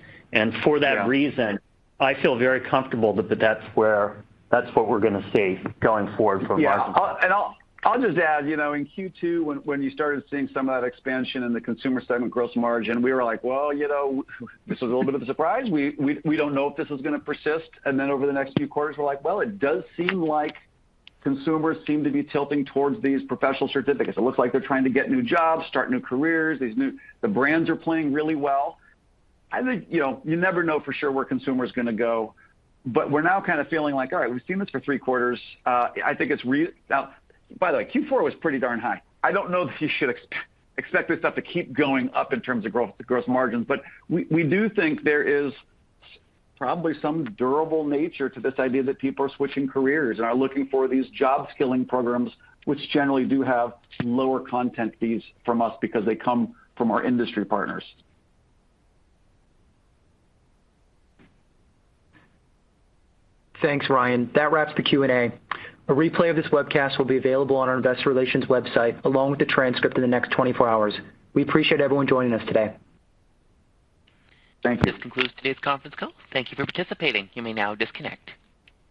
For that reason. I feel very comfortable that that's what we're gonna see going forward from a margin. Yeah. I'll just add, you know, in Q2 when you started seeing some of that expansion in the consumer segment gross margin, we were like, well, you know, this was a little bit of a surprise. We don't know if this is gonna persist. Then over the next few quarters we're like, well, it does seem like consumers seem to be tilting towards these professional certificates. It looks like they're trying to get new jobs, start new careers. The brands are playing really well. I think, you know, you never know for sure where consumer is gonna go, but we're now kind of feeling like, all right, we've seen this for three quarters I think. Now, by the way, Q4 was pretty darn high. I don't know that you should expect this stuff to keep going up in terms of growth, the gross margins. We do think there is probably some durable nature to this idea that people are switching careers and are looking for these job skilling programs, which generally do have lower content fees from us because they come from our industry partners. Thanks, Ryan. That wraps the Q&A. A replay of this webcast will be available on our investor relations website, along with the transcript in the next 24 hours. We appreciate everyone joining us today. Thank you. This concludes today's conference call. Thank you for participating. You may now disconnect.